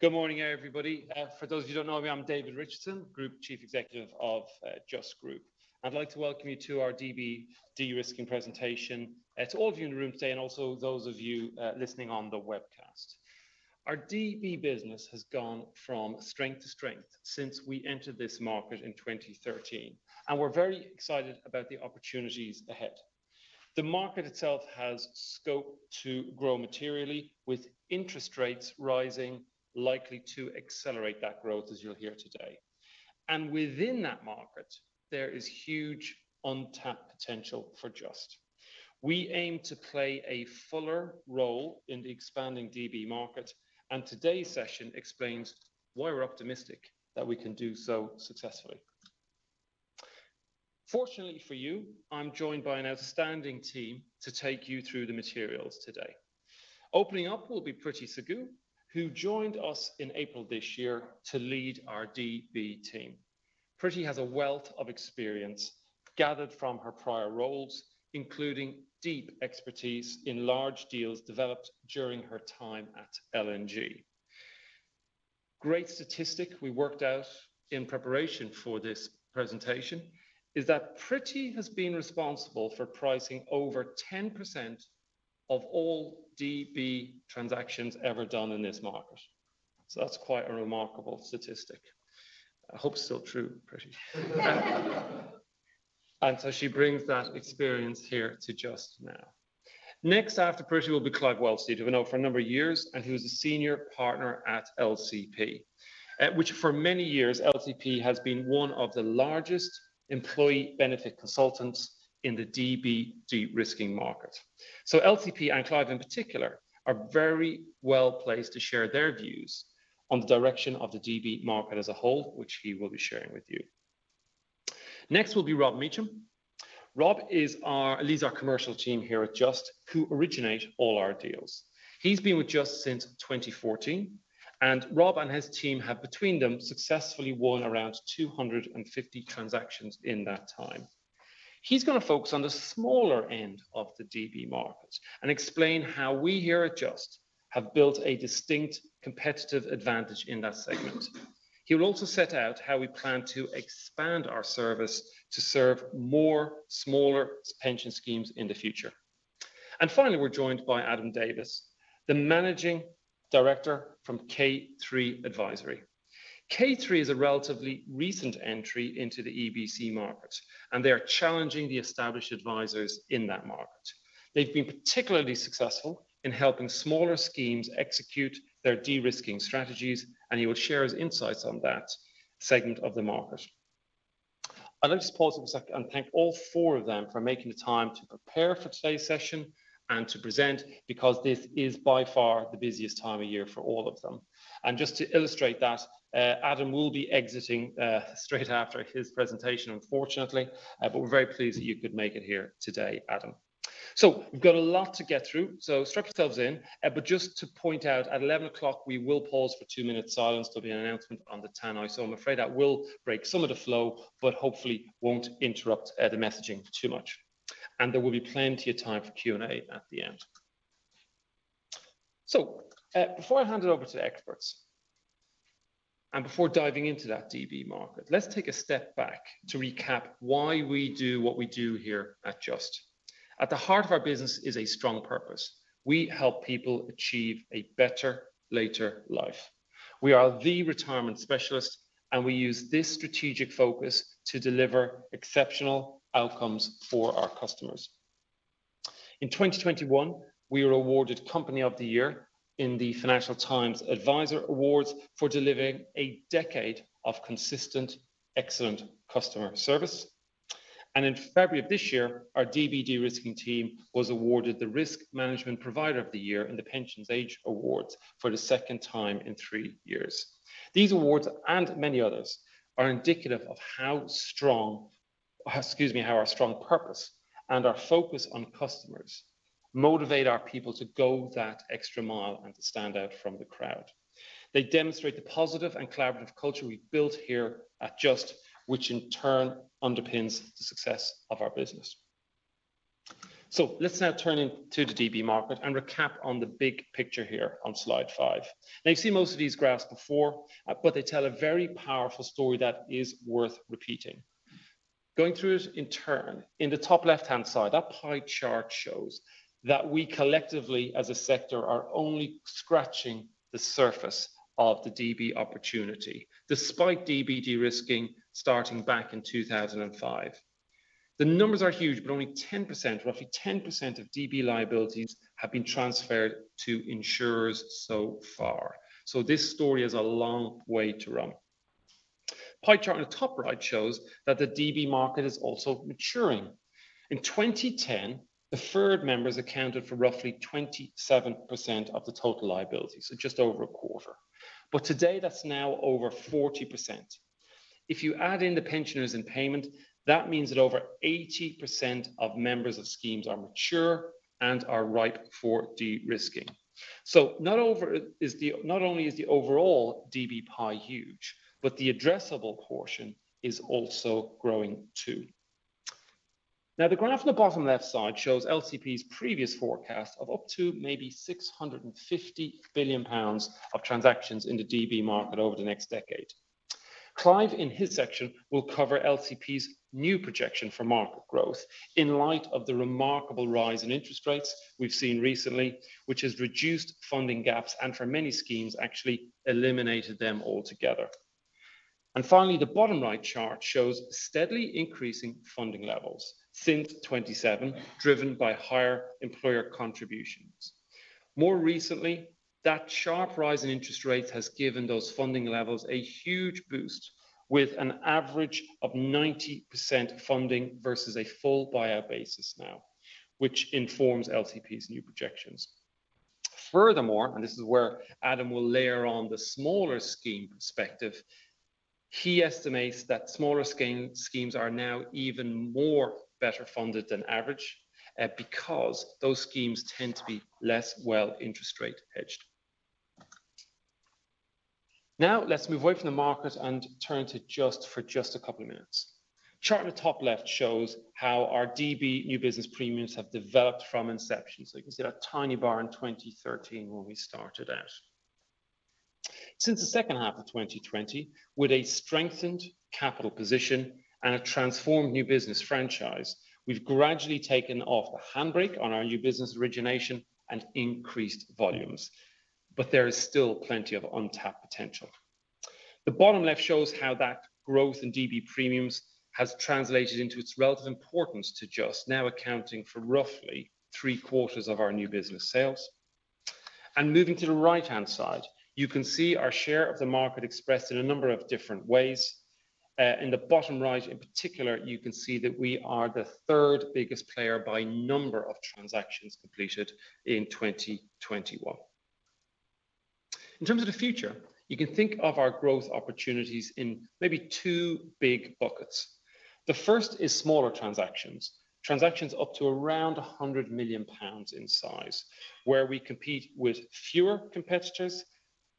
Good morning, everybody. For those of you who don't know me, I'm David Richardson, Group Chief Executive of Just Group. I'd like to welcome you to our DB de-risking presentation to all of you in the room today and also those of you listening on the webcast. Our DB business has gone from strength to strength since we entered this market in 2013, and we're very excited about the opportunities ahead. The market itself has scope to grow materially, with interest rates rising likely to accelerate that growth, as you'll hear today. Within that market, there is huge untapped potential for Just. We aim to play a fuller role in the expanding DB market, and today's session explains why we're optimistic that we can do so successfully. Fortunately for you, I'm joined by an outstanding team to take you through the materials today. Opening up will be Pretty Sagoo, who joined us in April this year to lead our DB team. Pretty has a wealth of experience gathered from her prior roles, including deep expertise in large deals developed during her time at L&G. Great statistic we worked out in preparation for this presentation is that Pretty has been responsible for pricing over 10% of all DB transactions ever done in this market. That's quite a remarkable statistic. I hope it's still true, Pretty. She brings that experience here to Just now. Next after Pretty will be Clive Wellsteed, who I've known for a number of years, and he was a senior partner at LCP, which for many years, LCP has been one of the largest employee benefit consultants in the DB de-risking market. LCP, and Clive in particular, are very well-placed to share their views on the direction of the DB market as a whole, which he will be sharing with you. Next will be Rob Mechem. Rob leads our commercial team here at Just who originate all our deals. He's been with Just since 2014, and Rob and his team have between them successfully won around 250 transactions in that time. He's gonna focus on the smaller end of the DB market and explain how we here at Just have built a distinct competitive advantage in that segment. He will also set out how we plan to expand our service to serve more smaller pension schemes in the future. Finally, we're joined by Adam Davis, the Managing Director from K3 Advisory. K3 is a relatively recent entry into the EBC market, and they are challenging the established advisors in that market. They've been particularly successful in helping smaller schemes execute their de-risking strategies, and he will share his insights on that segment of the market. Let me just pause a second and thank all four of them for making the time to prepare for today's session and to present because this is by far the busiest time of year for all of them. Just to illustrate that, Adam will be exiting straight after his presentation, unfortunately. We're very pleased that you could make it here today, Adam. We've got a lot to get through, so strap yourselves in. Just to point out, at 11:00 A.M. we will pause for two minutes silence. There'll be an announcement on the tannoy. I'm afraid that will break some of the flow, but hopefully won't interrupt the messaging too much. There will be plenty of time for Q&A at the end. Before I hand it over to the experts, and before diving into that DB market, let's take a step back to recap why we do what we do here at Just. At the heart of our business is a strong purpose. We help people achieve a better later life. We are the retirement specialist, and we use this strategic focus to deliver exceptional outcomes for our customers. In 2021, we were awarded Company of the Year in the Financial Adviser Service Awards for delivering a decade of consistent, excellent customer service. In February of this year, our DB de-risking team was awarded the Risk Management Provider of the Year in the Pensions Age Awards for the second time in three years. These awards, and many others, are indicative of how our strong purpose and our focus on customers motivate our people to go that extra mile and to stand out from the crowd. They demonstrate the positive and collaborative culture we've built here at Just, which in turn underpins the success of our business. Let's now turn into the DB market and recap on the big picture here on slide five. Now, you've seen most of these graphs before, but they tell a very powerful story that is worth repeating. Going through it in turn, in the top left-hand side, that pie chart shows that we collectively as a sector are only scratching the surface of the DB opportunity, despite DB de-risking starting back in 2005. The numbers are huge, but only 10%, roughly 10% of DB liabilities have been transferred to insurers so far. This story has a long way to run. Pie chart on the top right shows that the DB market is also maturing. In 2010, deferred members accounted for roughly 27% of the total liability, so just over a quarter. Today, that's now over 40%. If you add in the pensioners and payment, that means that over 80% of members of schemes are mature and are ripe for de-risking. Not only is the overall DB pie huge, but the addressable portion is also growing too. Now the graph on the bottom left side shows LCP's previous forecast of up to maybe 650 billion pounds of transactions in the DB market over the next decade. Clive, in his section, will cover LCP's new projection for market growth in light of the remarkable rise in interest rates we've seen recently, which has reduced funding gaps and for many schemes actually eliminated them altogether. Finally, the bottom right chart shows steadily increasing funding levels since 2017, driven by higher employer contributions. More recently, that sharp rise in interest rates has given those funding levels a huge boost with an average of 90% funding versus a full buy-out basis now, which informs LCP's new projections. Furthermore, this is where Adam will layer on the smaller scheme perspective. He estimates that smaller schemes are now even more better funded than average, because those schemes tend to be less well interest rate hedged. Now let's move away from the market and turn to Just for just a couple minutes. Chart in the top left shows how our DB new business premiums have developed from inception. You can see that tiny bar in 2013 when we started out. Since the second half of 2020, with a strengthened capital position and a transformed new business franchise, we've gradually taken off the handbrake on our new business origination and increased volumes. There is still plenty of untapped potential. The bottom left shows how that growth in DB premiums has translated into its relative importance to Just, now accounting for roughly 3/4 of our new business sales. Moving to the right-hand side, you can see our share of the market expressed in a number of different ways. In the bottom right in particular, you can see that we are the third biggest player by number of transactions completed in 2021. In terms of the future, you can think of our growth opportunities in maybe two big buckets. The first is smaller transactions up to around 100 million pounds in size, where we compete with fewer competitors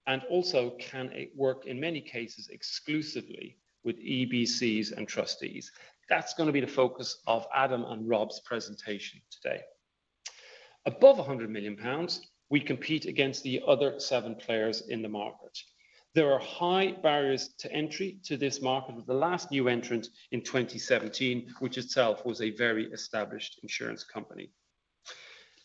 and also can work in many cases exclusively with EBCs and trustees. That's gonna be the focus of Adam and Rob's presentation today. Above 100 million pounds, we compete against the other seven players in the market. There are high barriers to entry to this market, with the last new entrant in 2017, which itself was a very established insurance company.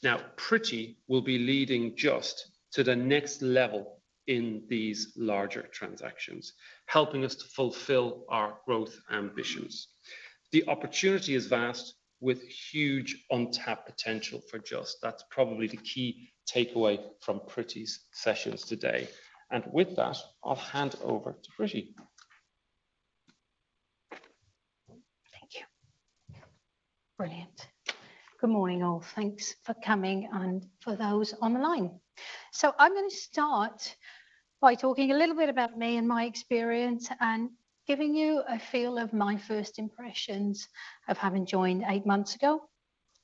Now, Pretty will be leading Just to the next level in these larger transactions, helping us to fulfill our growth ambitions. The opportunity is vast with huge untapped potential for Just. That's probably the key takeaway from Pretty's sessions today. With that, I'll hand over to Pretty. Thank you. Brilliant. Good morning, all. Thanks for coming and for those online. I'm gonna start by talking a little bit about me and my experience and giving you a feel of my first impressions of having joined eight months ago,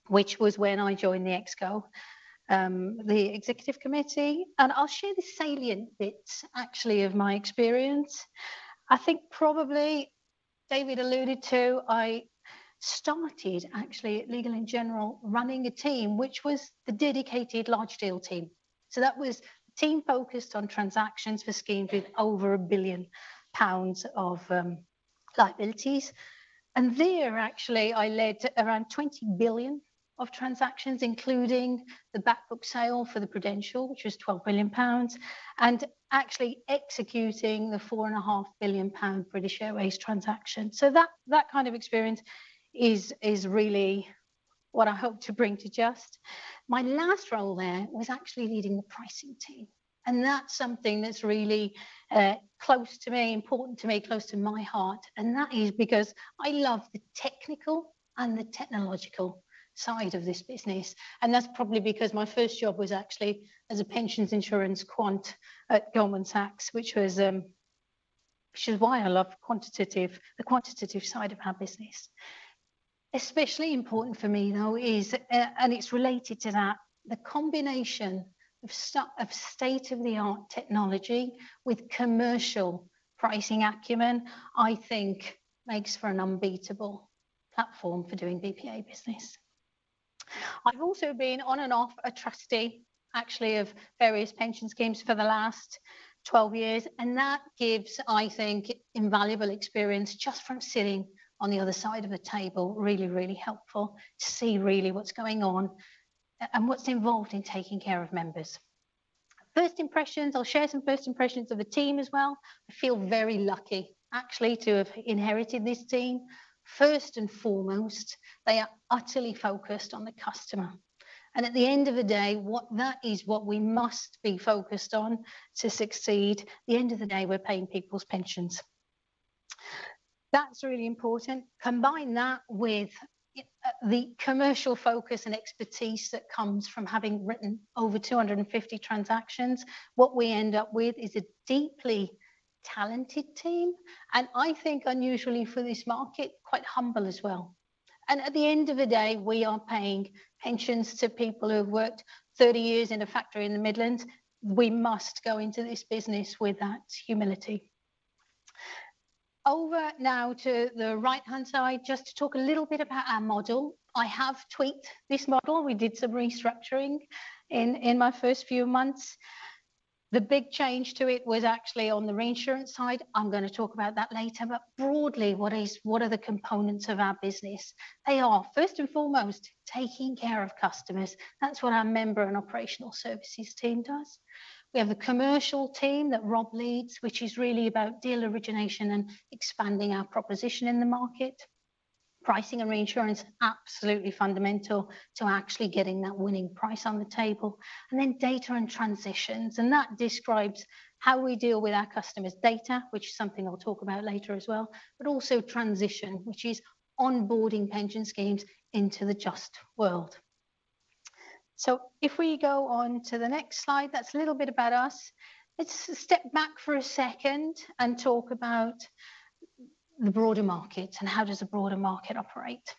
which was when I joined the ExCo, the executive committee. I'll share the salient bits actually of my experience. I think probably David alluded to. I started actually at Legal & General running a team which was the dedicated large deal team. That was team focused on transactions for schemes with over 1 billion pounds of liabilities. There actually, I led around 20 billion of transactions, including the back book sale for the Prudential, which was 12 billion pounds, and actually executing the 4.5 billion pound British Airways transaction. That kind of experience is really what I hope to bring to Just. My last role there was actually leading the pricing team, and that's something that's really close to me, important to me, close to my heart, and that is because I love the technical and the technological side of this business. That's probably because my first job was actually as a pensions insurance quant at Goldman Sachs, which is why I love the quantitative side of our business. Especially important for me though is and it's related to that, the combination of state-of-the-art technology with commercial pricing acumen, I think makes for an unbeatable platform for doing BPA business. I've also been on and off a trustee actually of various pension schemes for the last 12 years, and that gives, I think, invaluable experience just from sitting on the other side of a table. Really helpful to see really what's going on and what's involved in taking care of members. First impressions, I'll share some first impressions of the team as well. I feel very lucky actually to have inherited this team. First and foremost, they are utterly focused on the customer. At the end of the day, what that is what we must be focused on to succeed. At the end of the day, we're paying people's pensions. That's really important. Combine that with the commercial focus and expertise that comes from having written over 250 transactions, what we end up with is a deeply talented team, and I think unusually for this market, quite humble as well. At the end of the day, we are paying pensions to people who have worked 30 years in a factory in the Midlands. We must go into this business with that humility. Over now to the right-hand side just to talk a little bit about our model. I have tweaked this model. We did some restructuring in my first few months. The big change to it was actually on the reinsurance side. I'm gonna talk about that later. Broadly, what are the components of our business? They are first and foremost taking care of customers. That's what our member and operational services team does. We have a commercial team that Rob leads, which is really about deal origination and expanding our proposition in the market. Pricing and reinsurance, absolutely fundamental to actually getting that winning price on the table. Data and transitions, and that describes how we deal with our customers' data, which is something I'll talk about later as well, but also transition, which is onboarding pension schemes into the Just world. If we go on to the next slide, that's a little bit about us. Let's step back for a second and talk about the broader market and how does the broader market operate?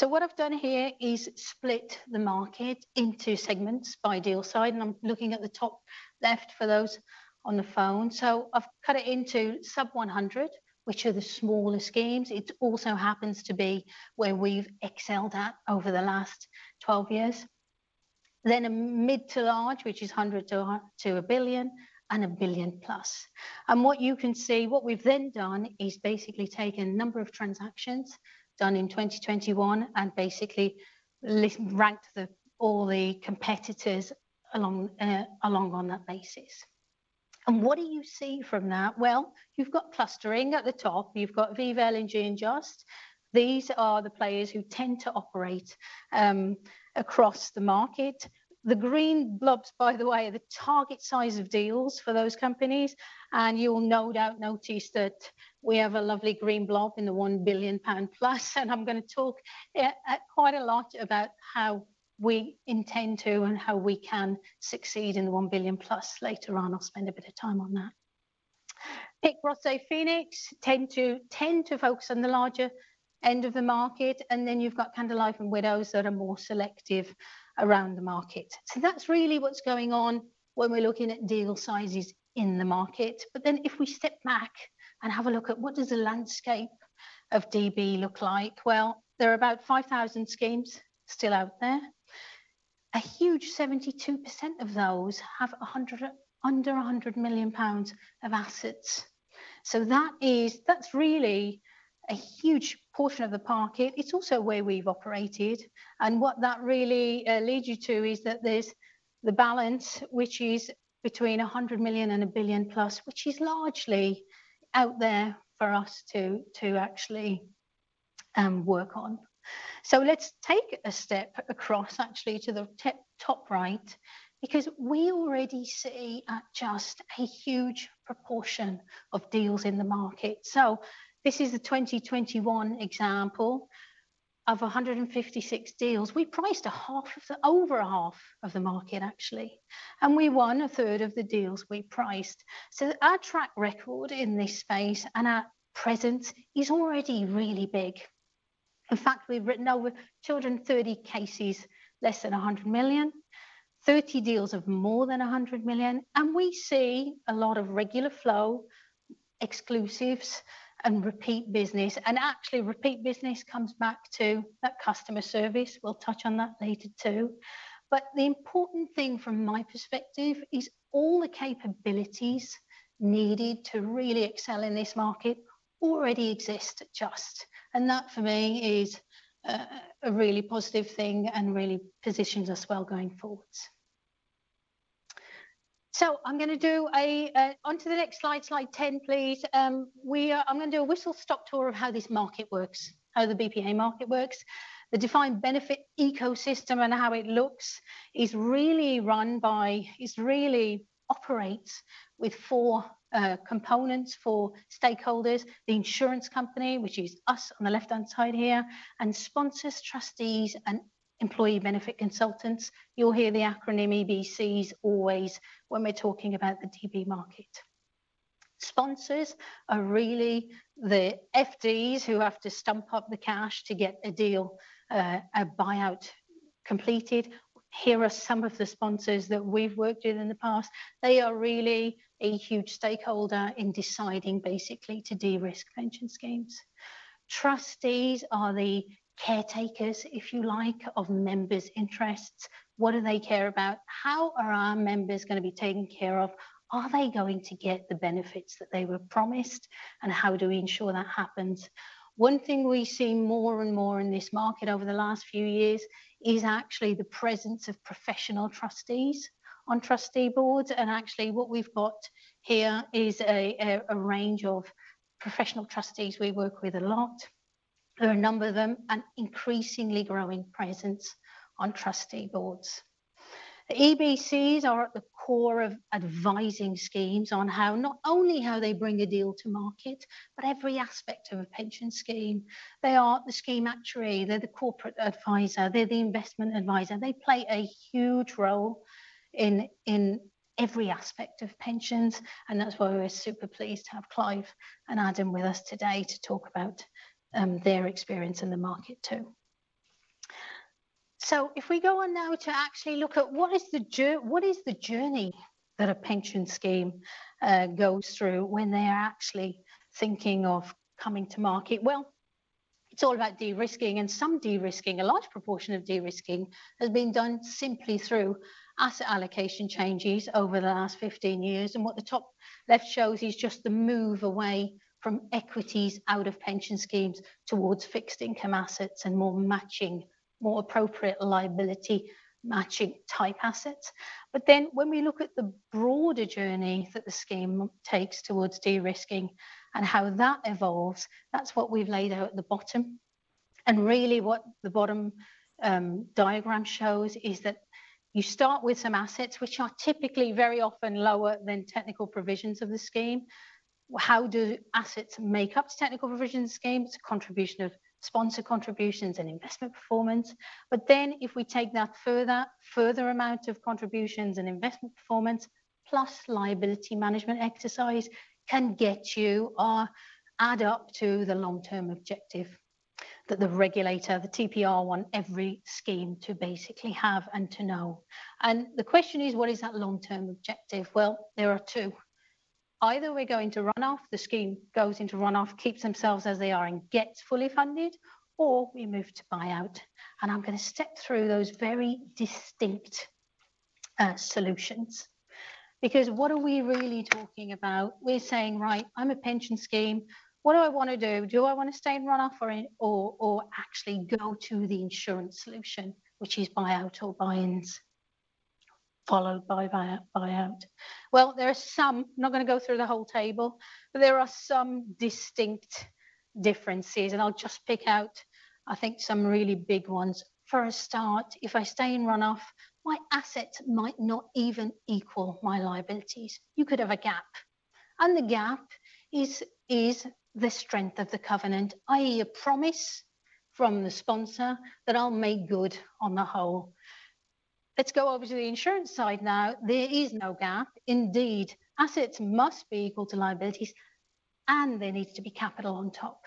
What I've done here is split the market into segments by deal side, and I'm looking at the top left for those on the phone. I've cut it into sub-100, which are the smaller schemes. It also happens to be where we've excelled at over the last 12 years. Mid to large, which is 100 to 1 billion and 1 billion plus. What you can see, what we've then done is basically taken a number of transactions done in 2021 and basically ranked all the competitors along on that basis. What do you see from that? Well, you've got clustering at the top. You've got Aviva, L&G, and Just. These are the players who tend to operate across the market. The green blobs, by the way, are the target size of deals for those companies, and you'll no doubt notice that we have a lovely green blob in the 1 billion pound plus, and I'm gonna talk at quite a lot about how we intend to and how we can succeed in the 1 billion plus later on. I'll spend a bit of time on that. Pretty Sagoo, Phoenix Group tend to focus on the larger end of the market. You've got Canada Life and Scottish Widows that are more selective around the market. That's really what's going on when we're looking at deal sizes in the market. If we step back and have a look at what does the landscape of DB look like. Well, there are about 5,000 schemes still out there. A huge 72% of those have. Under 100 million pounds of assets. That is, that's really a huge portion of the market. It's also where we've operated. What that really leads you to is that there's the balance, which is between 100 million and 1 billion plus, which is largely out there for us to actually work on. Let's take a step across actually to the top right because we already see at Just a huge proportion of deals in the market. This is a 2021 example. Of 156 deals, we priced over half of the market actually, and we won 1/3 of the deals we priced. Our track record in this space and our presence is already really big. In fact, we've written over 230 cases less than 100 million, 30 deals of more than 100 million, and we see a lot of regular flow, exclusives, and repeat business. Actually, repeat business comes back to that customer service. We'll touch on that later too. The important thing from my perspective is all the capabilities needed to really excel in this market already exist at Just, and that for me is a really positive thing and really positions us well going forwards. Onto the next slide 10 please. I'm gonna do a whistle-stop tour of how this market works, how the BPA market works. The defined benefit ecosystem and how it looks is really run by. It really operates with four components, four stakeholders: the insurance company, which is us on the left-hand side here, and sponsors, trustees, and employee benefit consultants. You'll hear the acronym EBCs always when we're talking about the DB market. Sponsors are really the FDs who have to stump up the cash to get a deal, a buyout completed. Here are some of the sponsors that we've worked with in the past. They are really a huge stakeholder in deciding basically to de-risk pension schemes. Trustees are the caretakers, if you like, of members' interests. What do they care about? How are our members gonna be taken care of? Are they going to get the benefits that they were promised, and how do we ensure that happens? One thing we see more and more in this market over the last few years is actually the presence of professional trustees on trustee boards, and actually what we've got here is a range of professional trustees we work with a lot. There are a number of them, an increasingly growing presence on trustee boards. The EBCs are at the core of advising schemes on how, not only how they bring a deal to market, but every aspect of a pension scheme. They are the scheme actuary, they're the corporate advisor, they're the investment advisor. They play a huge role in every aspect of pensions, and that's why we're super pleased to have Clive and Adam with us today to talk about their experience in the market too. If we go on now to actually look at what is the journey that a pension scheme goes through when they are actually thinking of coming to market? Well, it's all about de-risking and some de-risking, a large proportion of de-risking has been done simply through asset allocation changes over the last 15 years, and what the top left shows is just the move away from equities out of pension schemes towards fixed income assets and more matching, more appropriate liability matching type assets. When we look at the broader journey that the scheme takes towards de-risking and how that evolves, that's what we've laid out at the bottom. Really what the bottom diagram shows is that you start with some assets which are typically very often lower than technical provisions of the scheme. How do assets make up to technical provisions of the scheme? Contribution of sponsor contributions and investment performance. If we take that further amount of contributions and investment performance plus liability management exercise can get you or add up to the long-term objective that the regulator, the TPR want every scheme to basically have and to know. The question is, what is that long-term objective? Well, there are two. Either we're going to run-off, the scheme goes into run-off, keeps themselves as they are and gets fully funded, or we move to buyout. I'm gonna step through those very distinct solutions because what are we really talking about? We're saying, right, I'm a pension scheme. What do I wanna do? Do I wanna stay in run-off or actually go to the insurance solution, which is buyout or buy-ins followed by buyout? Well, there are some. I'm not gonna go through the whole table, but there are some distinct differences and I'll just pick out, I think some really big ones. For a start, if I stay in run-off, my assets might not even equal my liabilities. You could have a gap, and the gap is the strength of the covenant, i.e., a promise from the sponsor that I'll make good on the whole. Let's go over to the insurance side now. There is no gap. Indeed, assets must be equal to liabilities, and there needs to be capital on top.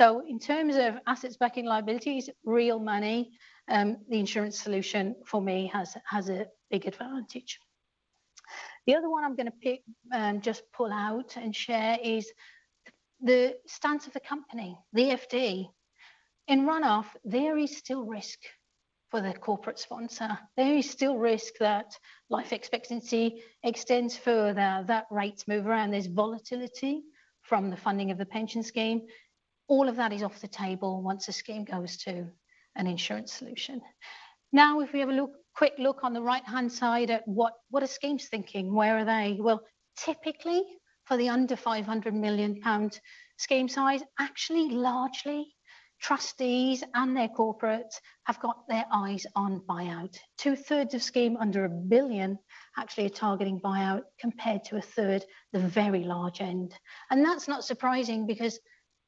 In terms of assets backing liabilities, real money, the insurance solution for me has a big advantage. The other one I'm gonna pick, just pull out and share is the stance of the company, the FD. In run-off, there is still risk for the corporate sponsor. There is still risk that life expectancy extends further, that rates move around. There's volatility from the funding of the pension scheme. All of that is off the table once a scheme goes to an insurance solution. Now, if we have a look, quick look on the right-hand side at what are schemes thinking? Where are they? Well, typically for the under 500 million pound scheme size, actually largely trustees and their corporates have got their eyes on buyout. Two-thirds of scheme under a billion actually are targeting buyout compared to a third the very large end. That's not surprising because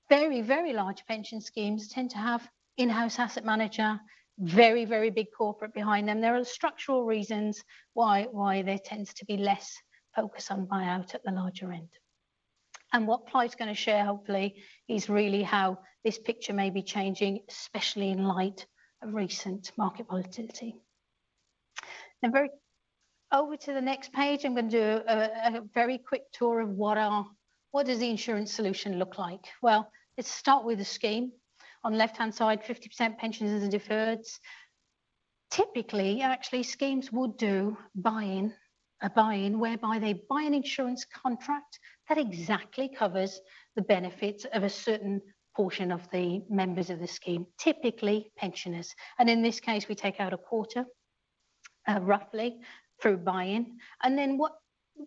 very large pension schemes tend to have in-house asset manager, very big corporate behind them. There are structural reasons why there tends to be less focus on buyout at the larger end. What Clive's gonna share hopefully is really how this picture may be changing, especially in light of recent market volatility. Now over to the next page, I'm gonna do a very quick tour of what does the insurance solution look like? Well, let's start with the scheme. On left-hand side, 50% pensioners and deferreds. Typically, actually schemes would do buy-in whereby they buy an insurance contract that exactly covers the benefits of a certain portion of the members of the scheme, typically pensioners. In this case, we take out a quarter, roughly through buy-in, and then what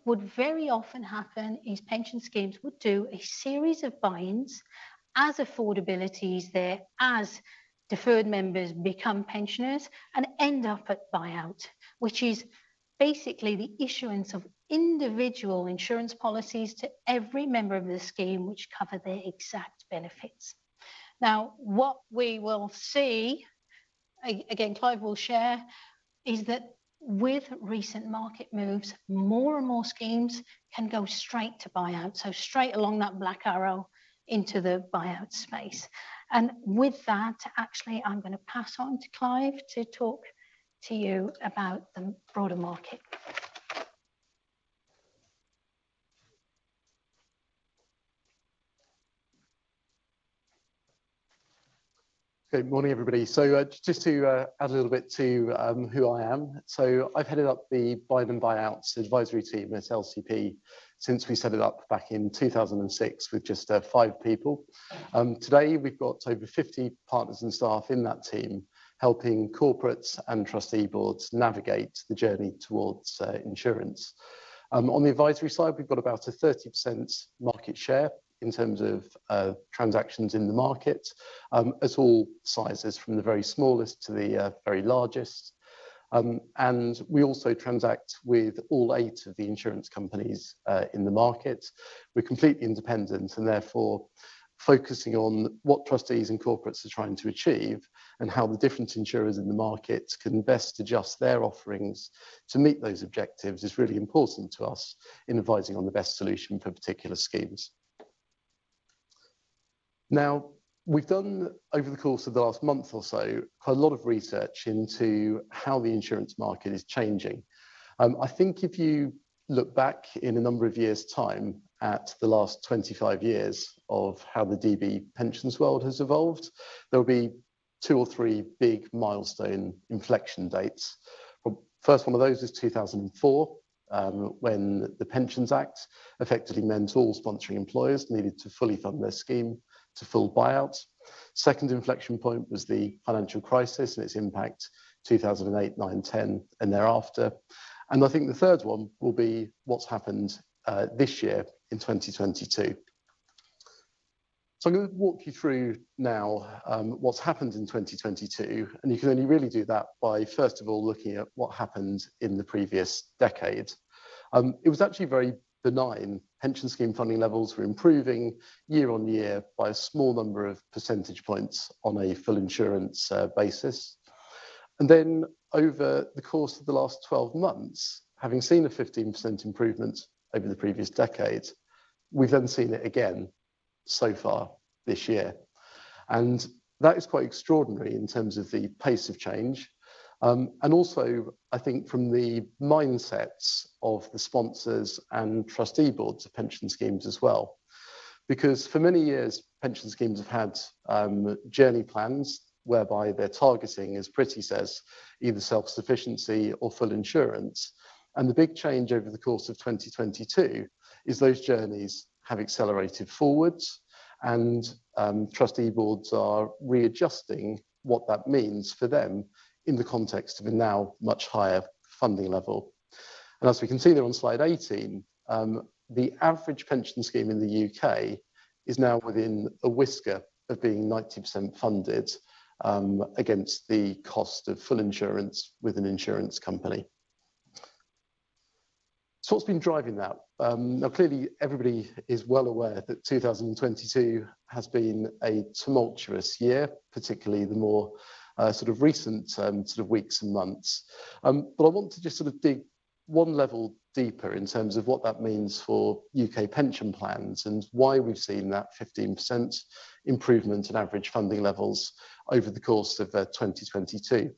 would very often happen is pension schemes would do a series of buy-ins as affordability is there, as deferred members become pensioners and end up at buyout, which is basically the issuance of individual insurance policies to every member of the scheme which cover their exact benefits. Now, what we will see, again, Clive will share, is that with recent market moves, more and more schemes can go straight to buyout, so straight along that black arrow into the buyout space. With that, actually, I'm gonna pass on to Clive to talk to you about the broader market. Good morning, everybody. Just to add a little bit to who I am. I've headed up the buy-in buyout advisory team at LCP since we set it up back in 2006 with just five people. Today we've got over 50 partners and staff in that team helping corporates and trustee boards navigate the journey towards insurance. On the advisory side, we've got about a 30% market share in terms of transactions in the market of all sizes from the very smallest to the very largest. We also transact with all eight of the insurance companies in the market. We're completely independent and therefore focusing on what trustees and corporates are trying to achieve and how the different insurers in the market can best adjust their offerings to meet those objectives is really important to us in advising on the best solution for particular schemes. Now, we've done, over the course of the last month or so, a lot of research into how the insurance market is changing. I think if you look back in a number of years' time at the last 25 years of how the DB pensions world has evolved, there'll be two or three big milestone inflection dates. First one of those is 2004, when the Pensions Act effectively meant all sponsoring employers needed to fully fund their scheme to full buyouts. Second inflection point was the financial crisis and its impact 2008, 2009, 2010, and thereafter. I think the third one will be what's happened this year in 2022. I'm gonna walk you through now what's happened in 2022, and you can only really do that by first of all looking at what happened in the previous decade. It was actually very benign. Pension scheme funding levels were improving year-on-year by a small number of percentage points on a full insurance basis. Then over the course of the last 12 months, having seen a 15% improvement over the previous decade, we've then seen it again so far this year. That is quite extraordinary in terms of the pace of change, and also, I think from the mindsets of the sponsors and trustee boards of pension schemes as well. Because for many years, pension schemes have had journey plans whereby they're targeting, as Pretty says, either self-sufficiency or full insurance. The big change over the course of 2022 is those journeys have accelerated forwards and trustee boards are readjusting what that means for them in the context of a now much higher funding level. As we can see there on slide 18, the average pension scheme in the UK is now within a whisker of being 90% funded against the cost of full insurance with an insurance company. What's been driving that? Now clearly everybody is well aware that 2022 has been a tumultuous year, particularly the more sort of recent sort of weeks and months. I want to just sort of dig one level deeper in terms of what that means for UK pension plans and why we've seen that 15% improvement in average funding levels over the course of 2022.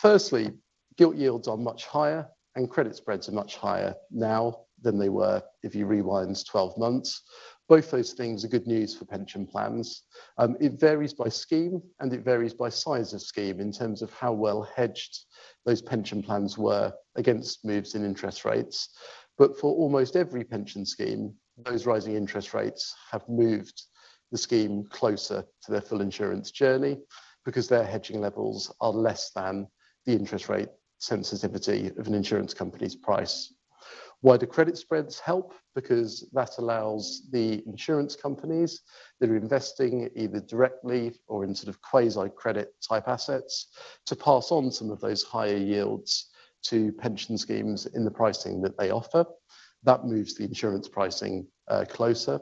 Firstly, gilt yields are much higher, and credit spreads are much higher now than they were if you rewind 12 months. Both those things are good news for pension plans. It varies by scheme, and it varies by size of scheme in terms of how well hedged those pension plans were against moves in interest rates. For almost every pension scheme, those rising interest rates have moved the scheme closer to their full insurance journey because their hedging levels are less than the interest rate sensitivity of an insurance company's price. Wider credit spreads help because that allows the insurance companies that are investing either directly or in sort of quasi credit type assets to pass on some of those higher yields to pension schemes in the pricing that they offer. That moves the insurance pricing closer.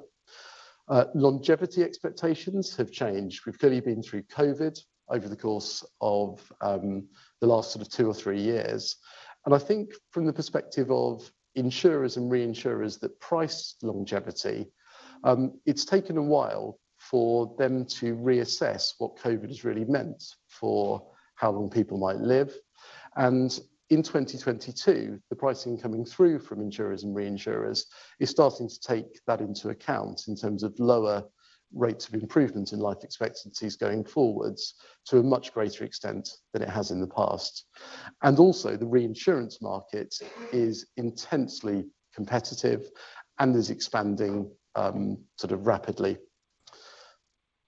Longevity expectations have changed. We've clearly been through COVID over the course of the last sort of two or three years, and I think from the perspective of insurers and reinsurers that price longevity, it's taken a while for them to reassess what COVID has really meant for how long people might live. In 2022, the pricing coming through from insurers and reinsurers is starting to take that into account in terms of lower rates of improvement in life expectancies going forwards to a much greater extent than it has in the past. Also the reinsurance market is intensely competitive and is expanding, sort of rapidly.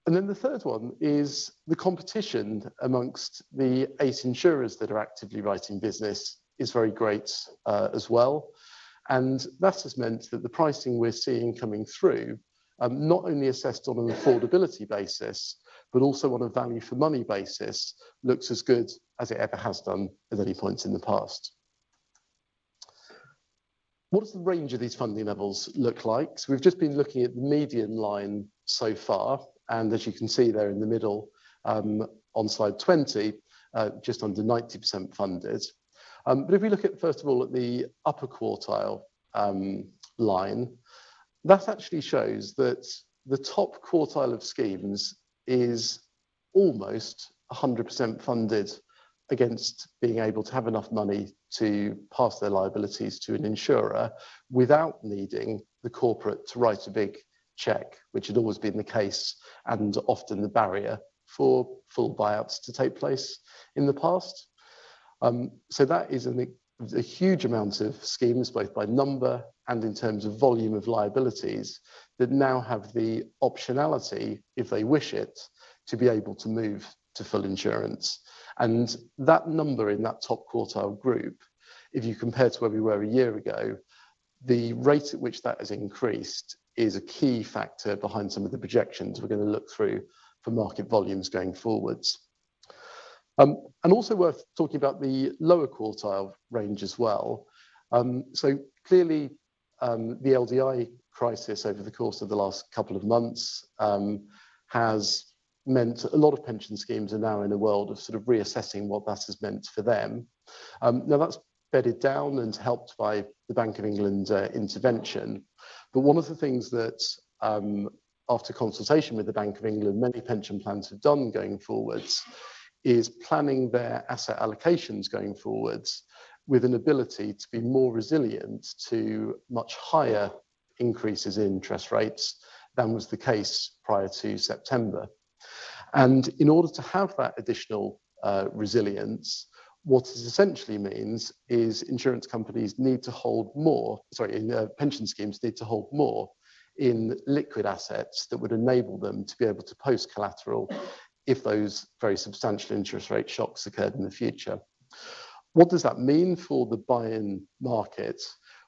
Then the third one is the competition amongst the eight insurers that are actively writing business is very great, as well. That has meant that the pricing we're seeing coming through, not only assessed on an affordability basis, but also on a value for money basis, looks as good as it ever has done at any point in the past. What does the range of these funding levels look like? We've just been looking at the median line so far, and as you can see there in the middle, on slide 20, just under 90% funded. If we look at, first of all, at the upper quartile line, that actually shows that the top quartile of schemes is almost 100% funded against being able to have enough money to pass their liabilities to an insurer without needing the corporate to write a big check, which had always been the case and often the barrier for full buyouts to take place in the past. That is a huge amount of schemes, both by number and in terms of volume of liabilities, that now have the optionality, if they wish it, to be able to move to full insurance. That number in that top quartile group, if you compare to where we were a year ago, the rate at which that has increased is a key factor behind some of the projections we're gonna look through for market volumes going forwards. Also worth talking about the lower quartile range as well. Clearly, the LDI crisis over the course of the last couple of months has meant a lot of pension schemes are now in a world of sort of reassessing what that has meant for them. That's bedded down and helped by the Bank of England intervention. One of the things that, after consultation with the Bank of England, many pension plans have done going forwards is planning their asset allocations going forwards with an ability to be more resilient to much higher increases in interest rates than was the case prior to September. In order to have that additional resilience, what this essentially means is pension schemes need to hold more in liquid assets that would enable them to be able to post collateral if those very substantial interest rate shocks occurred in the future. What does that mean for the buy-in market?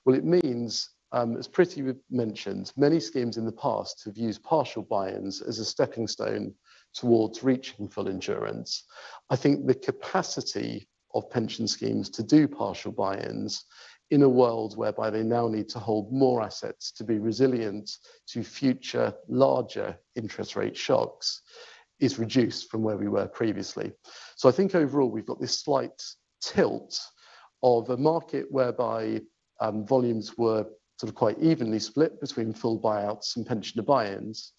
Well, it means, as Pretty mentioned, many schemes in the past have used partial buy-ins as a stepping stone towards reaching full insurance. I think the capacity of pension schemes to do partial buy-ins in a world whereby they now need to hold more assets to be resilient to future larger interest rate shocks is reduced from where we were previously. I think overall we've got this slight tilt of a market whereby volumes were sort of quite evenly split between full buyouts and pensioner buy-ins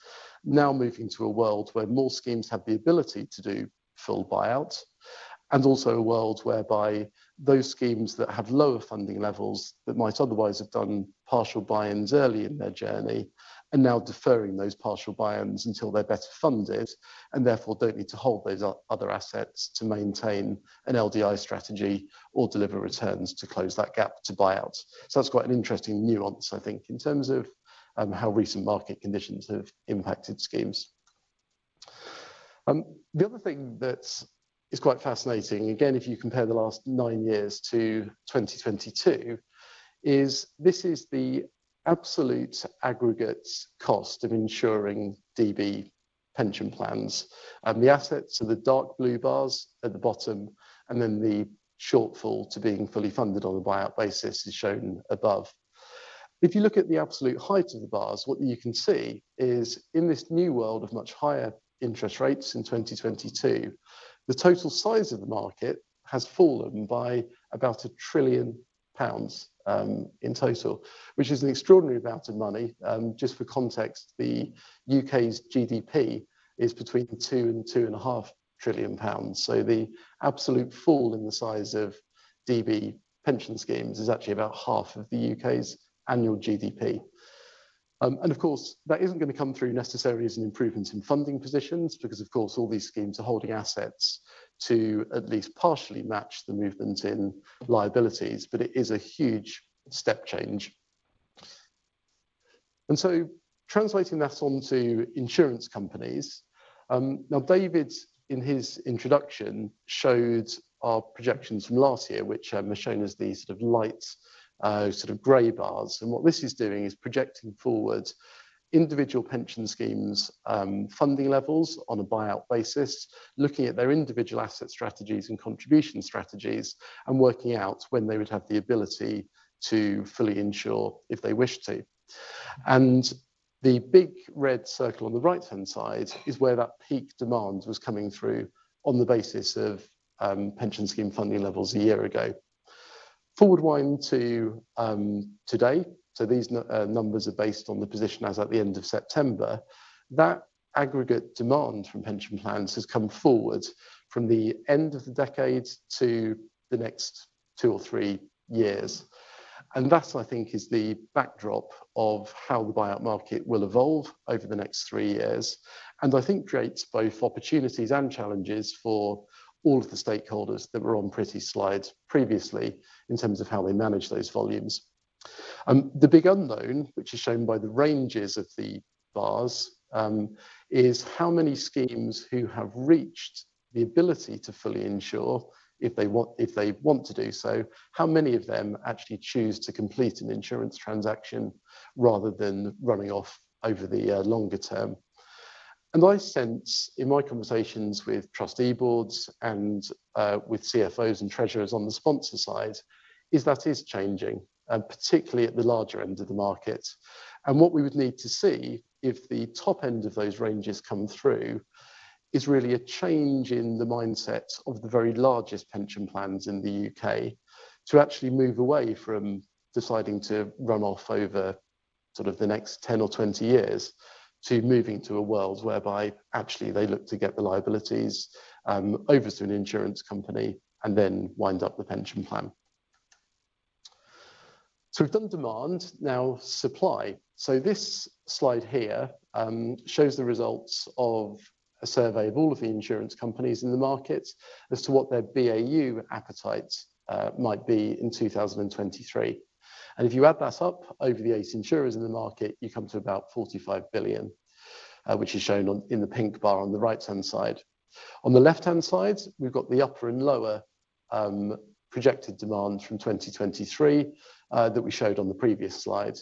now moving to a world where more schemes have the ability to do full buyouts, and also a world whereby those schemes that have lower funding levels that might otherwise have done partial buy-ins early in their journey are now deferring those partial buy-ins until they're better funded and therefore don't need to hold those other assets to maintain an LDI strategy or deliver returns to close that gap to buyouts. That's quite an interesting nuance, I think, in terms of how recent market conditions have impacted schemes. The other thing that's quite fascinating, again, if you compare the last nine years to 2022, is the absolute aggregate cost of insuring DB pension plans. The assets are the dark blue bars at the bottom, and then the shortfall to being fully funded on a buyout basis is shown above. If you look at the absolute height of the bars, what you can see is in this new world of much higher interest rates in 2022, the total size of the market has fallen by about 1 trillion pounds in total, which is an extraordinary amount of money. Just for context, the UK's GDP is between 2 trillion pounds and GBP 2.5 trillion. The absolute fall in the size of DB pension schemes is actually about half of the U.K.'s annual GDP. Of course, that isn't gonna come through necessarily as an improvement in funding positions because, of course, all these schemes are holding assets to at least partially match the movement in liabilities, but it is a huge step change. Translating that onto insurance companies, now David, in his introduction, showed our projections from last year, which are shown as these sort of light, sort of gray bars. What this is doing is projecting forward individual pension schemes', funding levels on a buyout basis, looking at their individual asset strategies and contribution strategies and working out when they would have the ability to fully insure if they wish to. The big red circle on the right-hand side is where that peak demand was coming through on the basis of pension scheme funding levels a year ago. Fast forward to today, so these numbers are based on the position as at the end of September. That aggregate demand from pension plans has come forward from the end of the decade to the next two or three years. That, I think, is the backdrop of how the buyout market will evolve over the next three years, and I think creates both opportunities and challenges for all of the stakeholders that were on Pretty's slide previously in terms of how they manage those volumes. The big unknown, which is shown by the ranges of the bars, is how many schemes who have reached the ability to fully insure if they want to do so, how many of them actually choose to complete an insurance transaction rather than running off over the longer term. My sense in my conversations with trustee boards and with CFOs and treasurers on the sponsor side is that is changing, particularly at the larger end of the market. What we would need to see if the top end of those ranges come through is really a change in the mindset of the very largest pension plans in the UK to actually move away from deciding to run off over sort of the next 10 or 20 years to moving to a world whereby actually they look to get the liabilities over to an insurance company and then wind up the pension plan. We've done demand. Now supply. This slide here shows the results of a survey of all of the insurance companies in the market as to what their BAU appetite might be in 2023. If you add that up over the eight insurers in the market, you come to about 45 billion, which is shown on in the pink bar on the right-hand side. On the left-hand side, we've got the upper and lower projected demand from 2023 that we showed on the previous slide.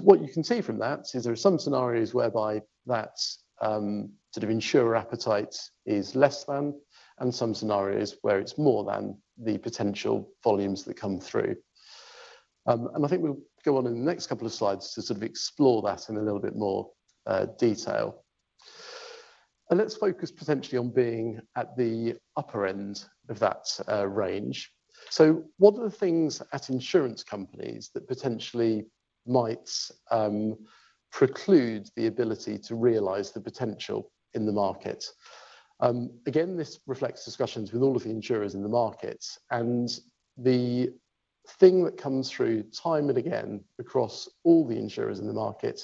What you can see from that is there are some scenarios whereby that sort of insurer appetite is less than and some scenarios where it's more than the potential volumes that come through. I think we'll go on in the next couple of slides to sort of explore that in a little bit more detail. Let's focus potentially on being at the upper end of that range. What are the things at insurance companies that potentially might preclude the ability to realize the potential in the market? Again, this reflects discussions with all of the insurers in the market. The thing that comes through time and again across all the insurers in the market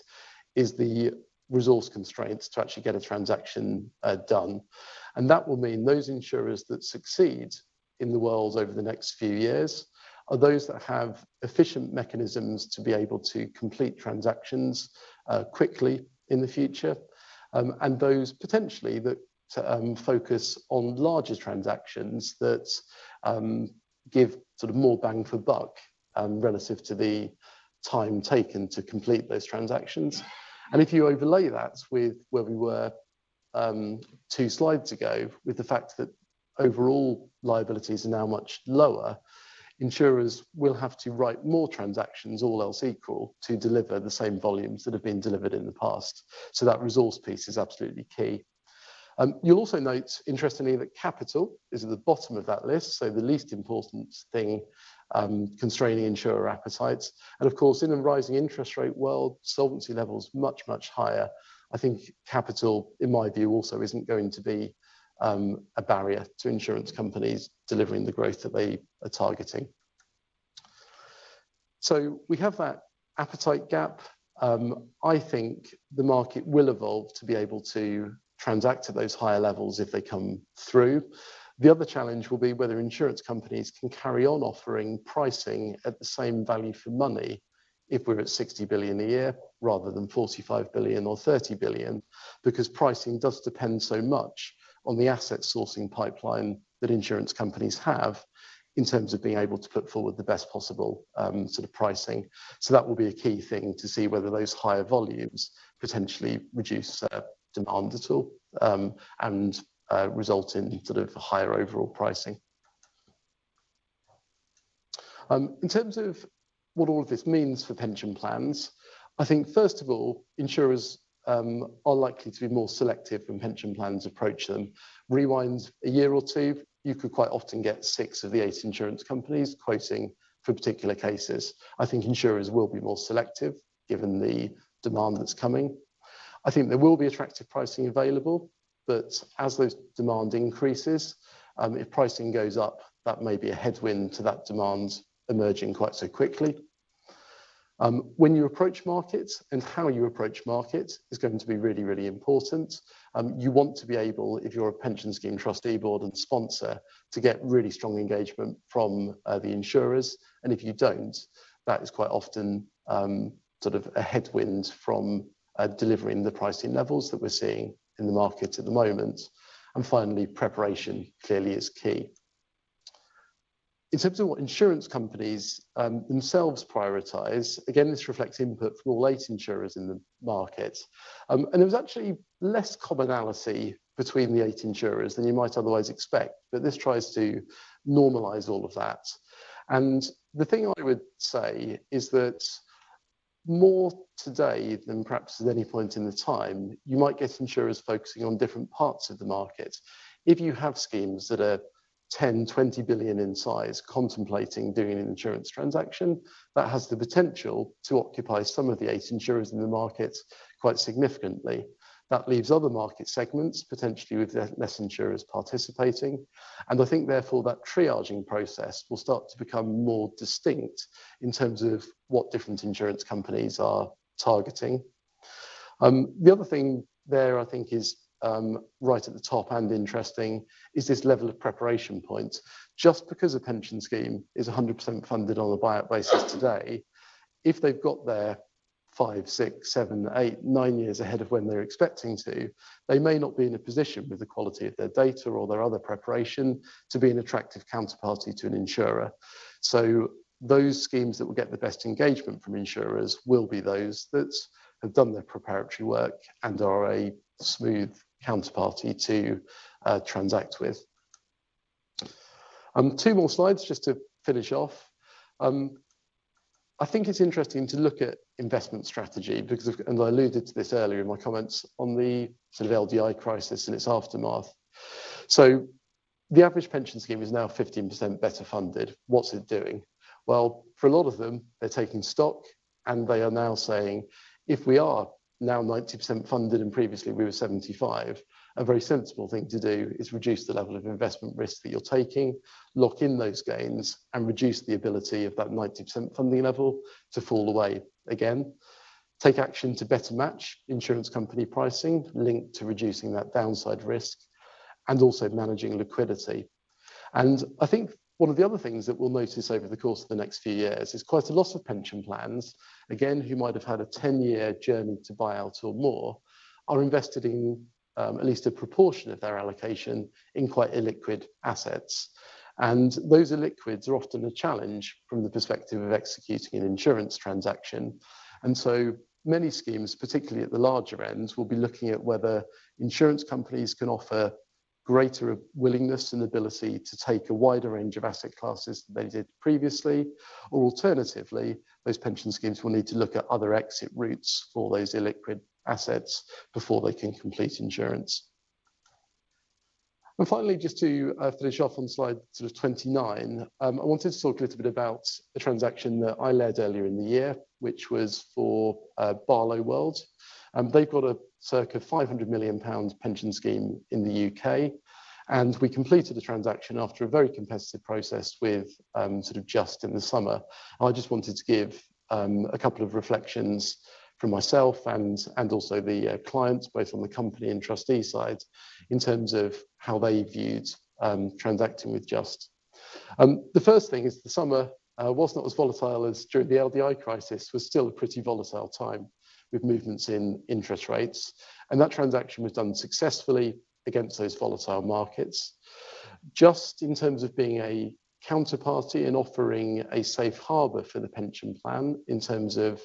is the resource constraints to actually get a transaction done. That will mean those insurers that succeed in the world over the next few years are those that have efficient mechanisms to be able to complete transactions quickly in the future, and those potentially that focus on larger transactions that give sort of more bang for buck relative to the time taken to complete those transactions. If you overlay that with where we were two slides ago, with the fact that overall liabilities are now much lower, insurers will have to write more transactions, all else equal, to deliver the same volumes that have been delivered in the past. That resource piece is absolutely key. You'll also note interestingly that capital is at the bottom of that list, so the least important thing constraining insurer appetites. Of course, in a rising interest rate world, solvency level is much, much higher. I think capital, in my view, also isn't going to be a barrier to insurance companies delivering the growth that they are targeting. We have that appetite gap. I think the market will evolve to be able to transact at those higher levels if they come through. The other challenge will be whether insurance companies can carry on offering pricing at the same value for money if we're at 60 billion a year rather than 45 billion or 30 billion because pricing does depend so much on the asset sourcing pipeline that insurance companies have in terms of being able to put forward the best possible, sort of pricing. That will be a key thing to see whether those higher volumes potentially reduce demand at all, and result in sort of higher overall pricing. In terms of what all of this means for pension plans, I think first of all, insurers are likely to be more selective when pension plans approach them. Rewind a year or two, you could quite often get six of the eight insurance companies quoting for particular cases. I think insurers will be more selective given the demand that's coming. I think there will be attractive pricing available, but as that demand increases, if pricing goes up, that may be a headwind to that demand emerging quite so quickly. When you approach markets and how you approach markets is going to be really, really important. You want to be able, if you're a pension scheme trustee board and sponsor, to get really strong engagement from the insurers. If you don't, that is quite often sort of a headwind from delivering the pricing levels that we're seeing in the market at the moment. Finally, preparation clearly is key. In terms of what insurance companies themselves prioritize, again, this reflects input from all eight insurers in the market. There's actually less commonality between the eight insurers than you might otherwise expect, but this tries to normalize all of that. The thing I would say is that more today than perhaps at any point in the time, you might get insurers focusing on different parts of the market. If you have schemes that are 10 billion, 20 billion in size contemplating doing an insurance transaction, that has the potential to occupy some of the eight insurers in the market quite significantly. That leaves other market segments potentially with less insurers participating. I think therefore that triaging process will start to become more distinct in terms of what different insurance companies are targeting. The other thing there I think is, right at the top and interesting is this level of preparation point. Just because a pension scheme is 100% funded on a buyout basis today, if they've got their five, six, seven, eight, nine years ahead of when they're expecting to, they may not be in a position with the quality of their data or their other preparation to be an attractive counterparty to an insurer. Those schemes that will get the best engagement from insurers will be those that have done their preparatory work and are a smooth counterparty to transact with. Two more slides just to finish off. I think it's interesting to look at investment strategy because of I alluded to this earlier in my comments on the sort of LDI crisis and its aftermath. The average pension scheme is now 15% better funded. What's it doing? Well, for a lot of them, they're taking stock, and they are now saying, "If we are now 90% funded and previously we were 75, a very sensible thing to do is reduce the level of investment risk that you're taking, lock in those gains, and reduce the ability of that 90% funding level to fall away again, take action to better match insurance company pricing linked to reducing that downside risk and also managing liquidity." I think one of the other things that we'll notice over the course of the next few years is quite a lot of pension plans, again, who might have had a 10-year journey to buyout or more, are invested in at least a proportion of their allocation in quite illiquid assets. Those illiquids are often a challenge from the perspective of executing an insurance transaction. Many schemes, particularly at the larger end, will be looking at whether insurance companies can offer greater willingness and ability to take a wider range of asset classes than they did previously. Alternatively, those pension schemes will need to look at other exit routes for those illiquid assets before they can complete insurance. Finally, just to finish off on slide sort of 29, I wanted to talk a little bit about a transaction that I led earlier in the year, which was for Barloworld. They've got a circa 500 million pounds pension scheme in the UK, and we completed the transaction after a very competitive process with sort of Just in the summer. I just wanted to give a couple of reflections from myself and also the clients, both from the company and trustee side, in terms of how they viewed transacting with Just. The first thing is the summer, while not as volatile as during the LDI crisis, was still a pretty volatile time with movements in interest rates, and that transaction was done successfully against those volatile markets. Just in terms of being a counterparty and offering a safe harbor for the pension plan in terms of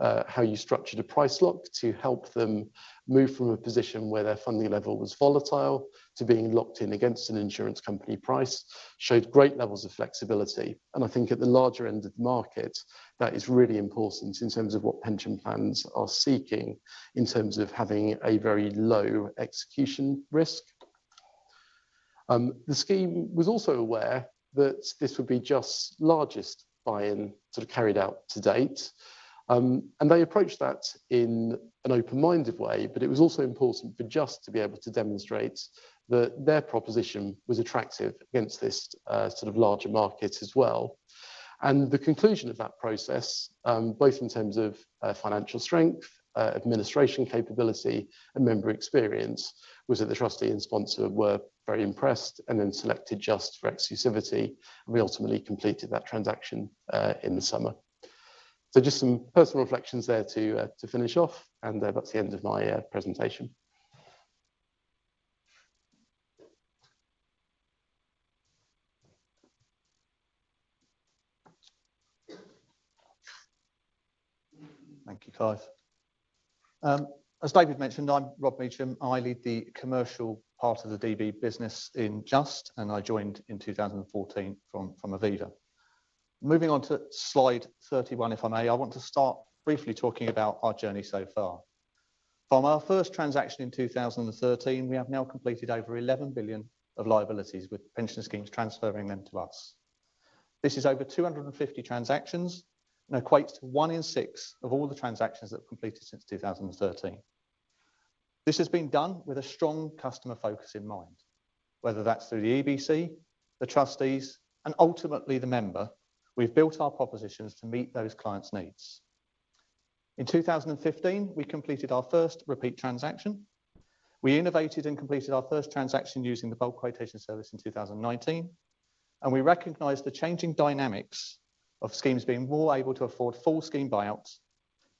how you structured a price lock to help them move from a position where their funding level was volatile to being locked in against an insurance company price, showed great levels of flexibility. I think at the larger end of the market, that is really important in terms of what pension plans are seeking in terms of having a very low execution risk. The scheme was also aware that this would be Just's largest buy-in sort of carried out to date, and they approached that in an open-minded way, but it was also important for Just to be able to demonstrate that their proposition was attractive against this, sort of larger market as well. The conclusion of that process, both in terms of, financial strength, administration capability, and member experience, was that the trustee and sponsor were very impressed and then selected Just for exclusivity. We ultimately completed that transaction, in the summer. Just some personal reflections there to finish off, and, that's the end of my, presentation. Thank you, Clive. As David mentioned, I'm Rob Mechem. I lead the commercial part of the DB business in Just, and I joined in 2014 from Aviva. Moving on to slide 31, if I may. I want to start briefly talking about our journey so far. From our first transaction in 2013, we have now completed over 11 billion of liabilities with pension schemes transferring them to us. This is over 250 transactions and equates to one in six of all the transactions that have completed since 2013. This has been done with a strong customer focus in mind, whether that's through the EBC, the trustees, and ultimately the member. We've built our propositions to meet those clients' needs. In 2015, we completed our first repeat transaction. We innovated and completed our first transaction using the bulk quotation service in 2019, and we recognized the changing dynamics of schemes being more able to afford full scheme buyouts,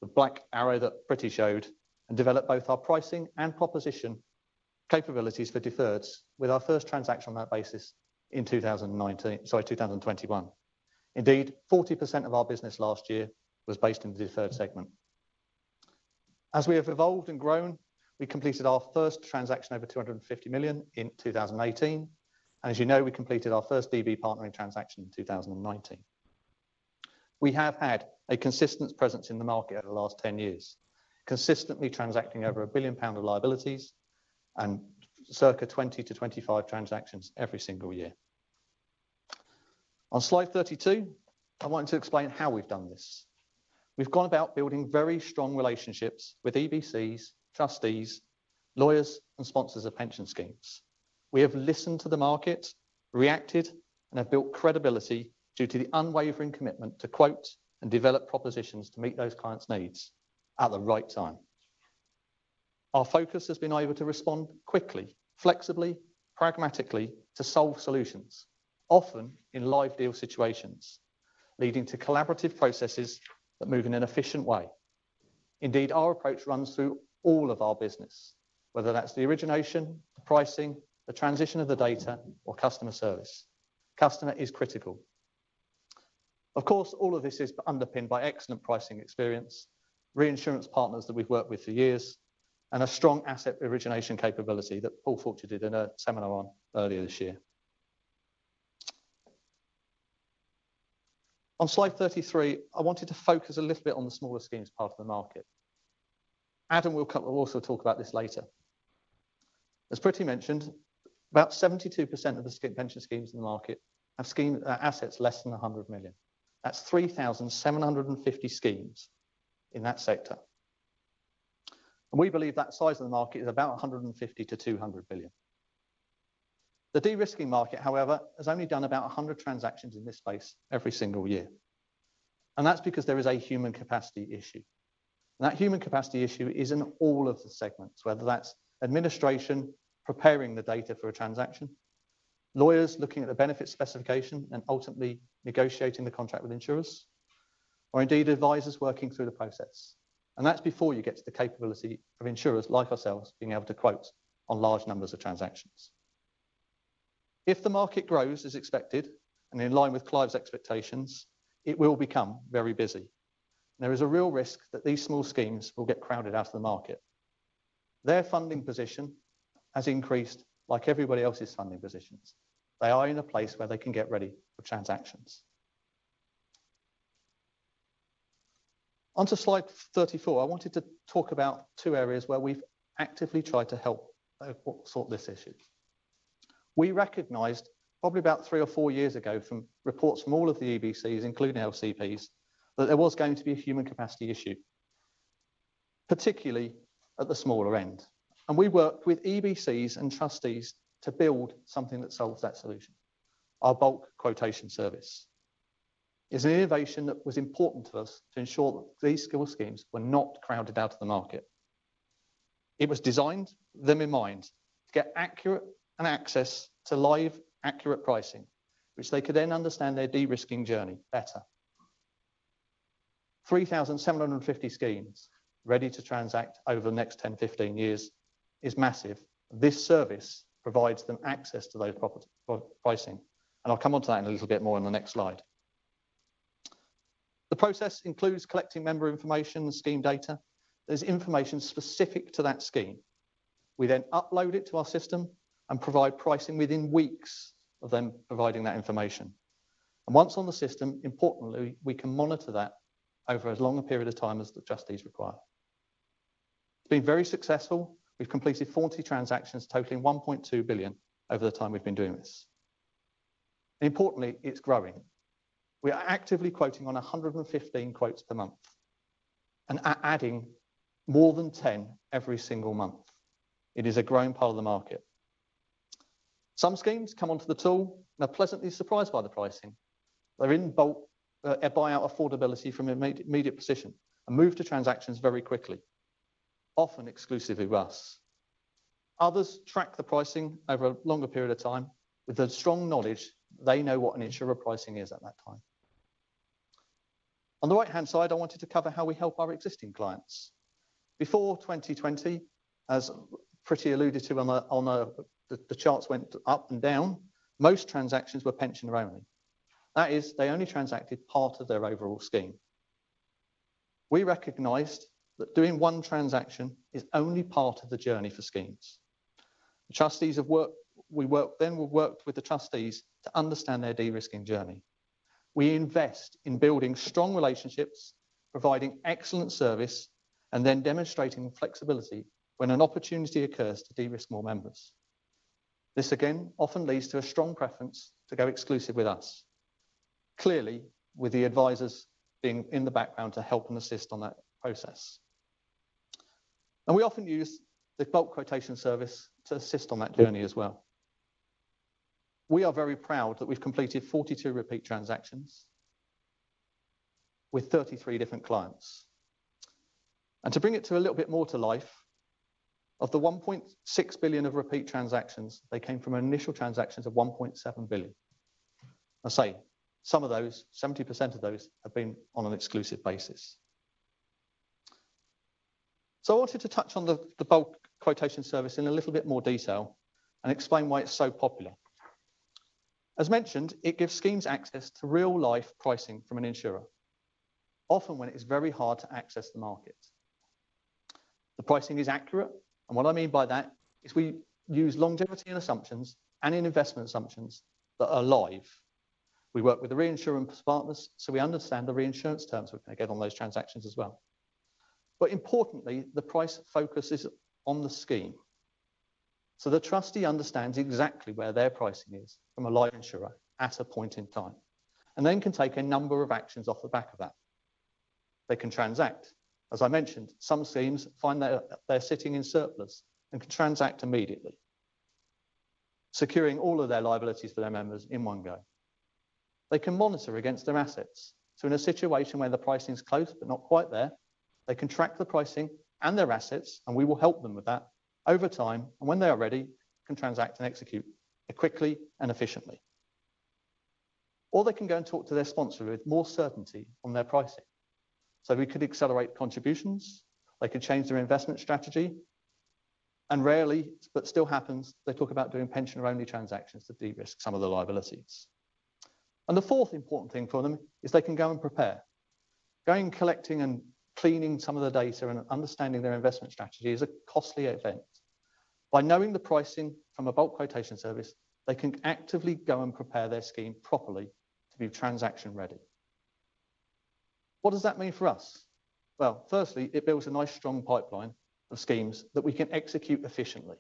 the black arrow that Pretty showed, and developed both our pricing and proposition capabilities for deferreds with our first transaction on that basis in 2021. Indeed, 40% of our business last year was based in the deferred segment. As we have evolved and grown, we completed our first transaction over 250 million in 2018, and as you know, we completed our first DB partnering transaction in 2019. We have had a consistent presence in the market over the last 10 years, consistently transacting over 1 billion pounds of liabilities and circa 20-25 transactions every single year. On slide 32, I want to explain how we've done this. We've gone about building very strong relationships with EBCs, trustees, lawyers, and sponsors of pension schemes. We have listened to the market, reacted, and have built credibility due to the unwavering commitment to quote and develop propositions to meet those clients' needs at the right time. Our focus has been able to respond quickly, flexibly, pragmatically to solve solutions, often in live deal situations, leading to collaborative processes that move in an efficient way. Indeed, our approach runs through all of our business, whether that's the origination, the pricing, the transition of the data, or customer service. Customer is critical. Of course, all of this is underpinned by excellent pricing experience, reinsurance partners that we've worked with for years, and a strong asset origination capability that Paul Fulcher did a seminar on earlier this year. On slide 33, I wanted to focus a little bit on the smaller schemes part of the market. Adam will also talk about this later. As Pretty mentioned, about 72% of the pension schemes in the market have scheme assets less than 100 million. That's 3,750 schemes in that sector. We believe that size of the market is about 150 billion-200 billion. The de-risking market, however, has only done about 100 transactions in this space every single year, and that's because there is a human capacity issue. That human capacity issue is in all of the segments, whether that's administrators preparing the data for a transaction, lawyers looking at the benefit specification and ultimately negotiating the contract with insurers, or indeed advisors working through the process. That's before you get to the capability of insurers like ourselves being able to quote on large numbers of transactions. If the market grows as expected and in line with Clive's expectations, it will become very busy. There is a real risk that these small schemes will get crowded out of the market. Their funding position has increased like everybody else's funding positions. They are in a place where they can get ready for transactions. Onto slide 34, I wanted to talk about two areas where we've actively tried to help sort this issue. We recognized probably about three or four years ago from reports from all of the EBCs, including LCPs, that there was going to be a human capacity issue, particularly at the smaller end. We worked with EBCs and trustees to build something that solves that solution. Our bulk quotation service is an innovation that was important to us to ensure that these small schemes were not crowded out of the market. It was designed with them in mind to get accurate access to live, accurate pricing, which they could then understand their de-risking journey better. 3,750 schemes ready to transact over the next 10-15 years is massive. This service provides them access to those proprietary pricing, and I'll come onto that in a little bit more in the next slide. The process includes collecting member information and scheme data. There's information specific to that scheme. We then upload it to our system and provide pricing within weeks of them providing that information. Once on the system, importantly, we can monitor that over as long a period of time as the trustees require. It's been very successful. We've completed 40 transactions totaling 1.2 billion over the time we've been doing this. Importantly, it's growing. We are actively quoting on 115 quotes per month and adding more than 10 every single month. It is a growing part of the market. Some schemes come onto the tool and are pleasantly surprised by the pricing. They're in bulk buyout affordability from immediate position and move to transactions very quickly, often exclusively with us. Others track the pricing over a longer period of time with a strong knowledge they know what an insurer pricing is at that time. On the right-hand side, I wanted to cover how we help our existing clients. Before 2020, as Pretty alluded to on the charts went up and down, most transactions were pensioner-only. That is, they only transacted part of their overall scheme. We recognized that doing one transaction is only part of the journey for schemes. We worked with the trustees to understand their de-risking journey. We invest in building strong relationships, providing excellent service, and then demonstrating flexibility when an opportunity occurs to de-risk more members. This again often leads to a strong preference to go exclusive with us. Clearly, with the advisors being in the background to help and assist on that process. We often use the bulk quotation service to assist on that journey as well. We are very proud that we've completed 42 repeat transactions with 33 different clients. To bring it to a little bit more to life, of the 1.6 billion of repeat transactions, they came from initial transactions of 1.7 billion. I say some of those, 70% of those have been on an exclusive basis. I wanted to touch on the bulk quotation service in a little bit more detail and explain why it's so popular. As mentioned, it gives schemes access to real-life pricing from an insurer, often when it is very hard to access the market. The pricing is accurate, and what I mean by that is we use longevity in assumptions and in investment assumptions that are live. We work with the reinsurance partners, so we understand the reinsurance terms we're gonna get on those transactions as well. But importantly, the price focus is on the scheme, so the trustee understands exactly where their pricing is from a live insurer at a point in time and then can take a number of actions off the back of that. They can transact. As I mentioned, some schemes find they're sitting in surplus and can transact immediately, securing all of their liabilities for their members in one go. They can monitor against their assets. In a situation where the pricing is close but not quite there, they can track the pricing and their assets, and we will help them with that over time, and when they are ready, can transact and execute it quickly and efficiently. They can go and talk to their sponsor with more certainty on their pricing. We could accelerate contributions, they could change their investment strategy, and rarely, but still happens, they talk about doing pensioner-only transactions to de-risk some of the liabilities. The fourth important thing for them is they can go and prepare. Going, collecting, and cleaning some of the data and understanding their investment strategy is a costly event. By knowing the pricing from a bulk quotation service, they can actively go and prepare their scheme properly to be transaction-ready. What does that mean for us? Well, firstly, it builds a nice strong pipeline of schemes that we can execute efficiently.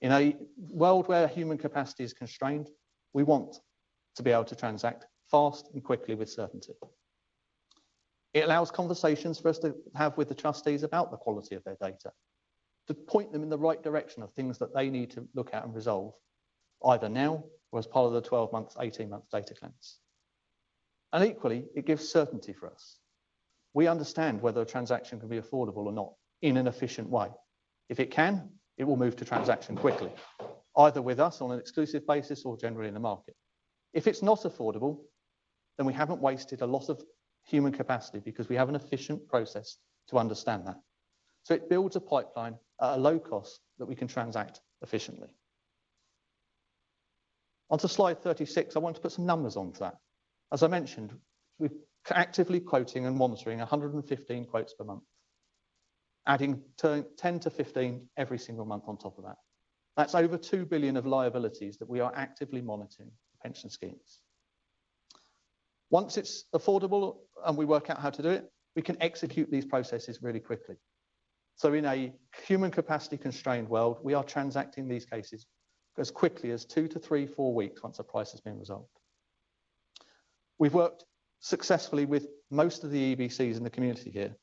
In a world where human capacity is constrained, we want to be able to transact fast and quickly with certainty. It allows conversations for us to have with the trustees about the quality of their data, to point them in the right direction of things that they need to look at and resolve either now or as part of the 12-month, 18-month data cleanse. Equally, it gives certainty for us. We understand whether a transaction can be affordable or not in an efficient way. If it can, it will move to transaction quickly, either with us on an exclusive basis or generally in the market. If it's not affordable. We haven't wasted a lot of human capacity because we have an efficient process to understand that. It builds a pipeline at a low cost that we can transact efficiently. Onto slide 36, I want to put some numbers onto that. As I mentioned, we're actively quoting and monitoring 115 quotes per month, adding 10-15 every single month on top of that. That's over 2 billion of liabilities that we are actively monitoring pension schemes. Once it's affordable and we work out how to do it, we can execute these processes really quickly. In a human capacity-constrained world, we are transacting these cases as quickly as 2 to 3, four weeks once a price has been resolved. We've worked successfully with most of the EBCs in the community here,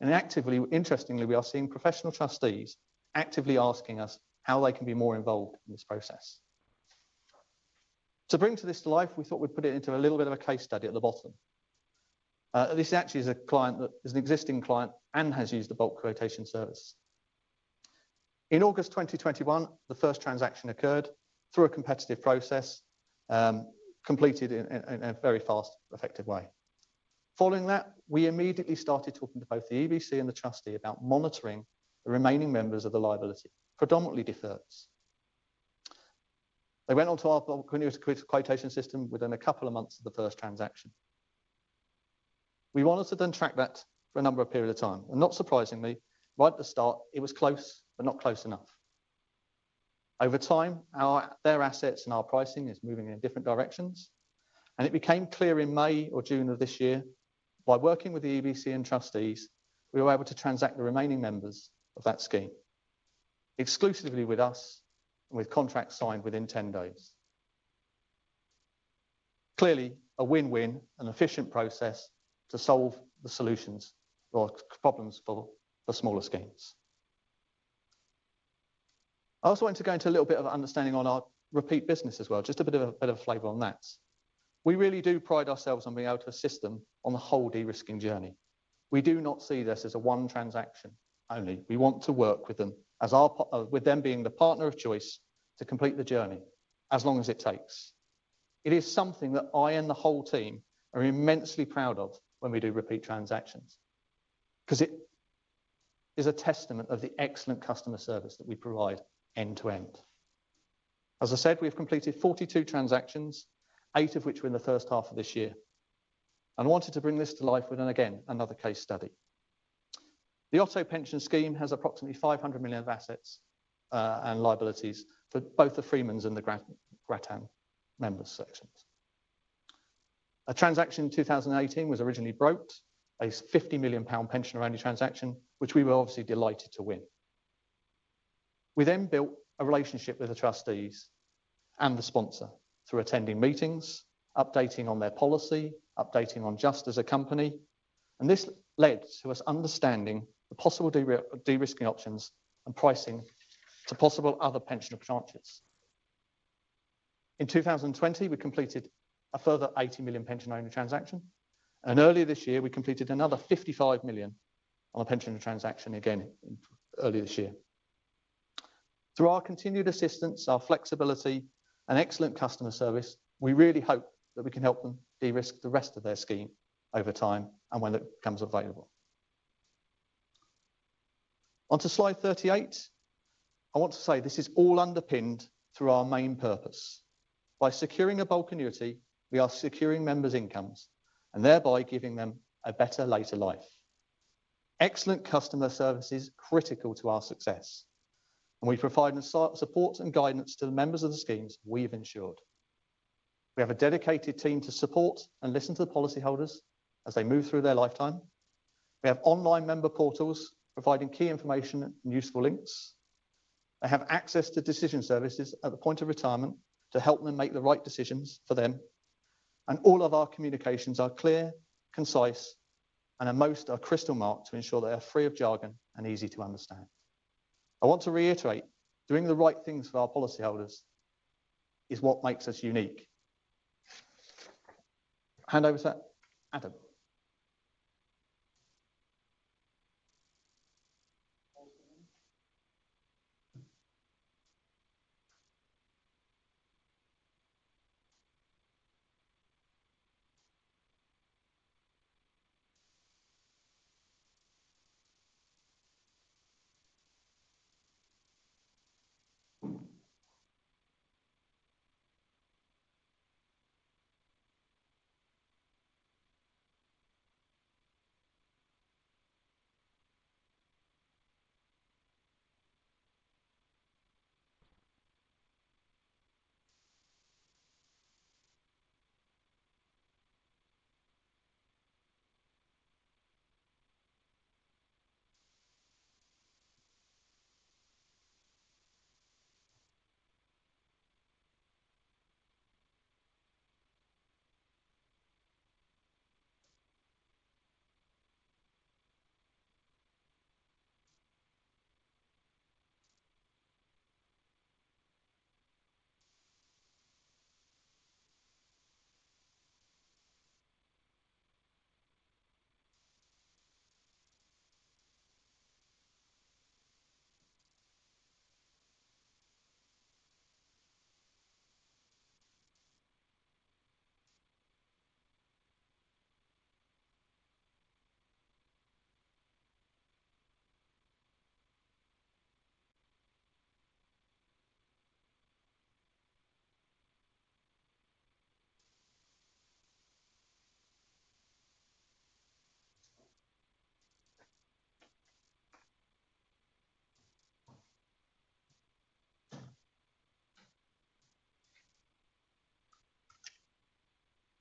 and actively, interestingly, we are seeing professional trustees actively asking us how they can be more involved in this process. To bring this to life, we thought we'd put it into a little bit of a case study at the bottom. This actually is a client that is an existing client and has used the bulk quotation service. In August 2021, the first transaction occurred through a competitive process, completed in a very fast, effective way. Following that, we immediately started talking to both the EBC and the trustee about monitoring the remaining members of the liability, predominantly deferreds. They went on to our bulk annuity quotation system within a couple of months of the first transaction. We wanted to then track that for a number of periods of time. Not surprisingly, right at the start, it was close, but not close enough. Over time, their assets and our pricing is moving in different directions, and it became clear in May or June of this year, by working with the EBC and trustees, we were able to transact the remaining members of that scheme exclusively with us and with contracts signed within 10 days. Clearly, a win-win and efficient process to solve the solutions or problems for smaller schemes. I also want to go into a little bit of understanding on our repeat business as well, just a bit of flavor on that. We really do pride ourselves on being able to assist them on the whole de-risking journey. We do not see this as a one transaction only. We want to work with them as our part. With them being the partner of choice to complete the journey as long as it takes. It is something that I and the whole team are immensely proud of when we do repeat transactions 'cause it is a testament of the excellent customer service that we provide end to end. As I said, we've completed 42 transactions, eight of which were in the first half of this year. Wanted to bring this to life with another case study. The Otto UK Pension Scheme has approximately 500 million of assets and liabilities for both the Freemans and the Grattan members sections. A transaction in 2018 was originally brokered, a 50 million pound pension annuity transaction, which we were obviously delighted to win. We built a relationship with the trustees and the sponsor through attending meetings, updating on their policy, updating on Just as a company, and this led to us understanding the possible de-risking options and pricing to possible other pension transactions. In 2020, we completed a further 80 million pension annuity transaction, and earlier this year, we completed another 55 million on a pension transaction again earlier this year. Through our continued assistance, our flexibility, and excellent customer service, we really hope that we can help them de-risk the rest of their scheme over time and when it becomes available. Onto slide 38, I want to say this is all underpinned through our main purpose. By securing a bulk annuity, we are securing members' incomes and thereby giving them a better later life. Excellent customer service is critical to our success, and we provide the support and guidance to the members of the schemes we have insured. We have a dedicated team to support and listen to the policyholders as they move through their lifetime. We have online member portals providing key information and useful links. They have access to decision services at the point of retirement to help them make the right decisions for them. All of our communications are clear, concise, and most are Crystal Mark to ensure they are free of jargon and easy to understand. I want to reiterate, doing the right things for our policyholders is what makes us unique. Hand over to Adam.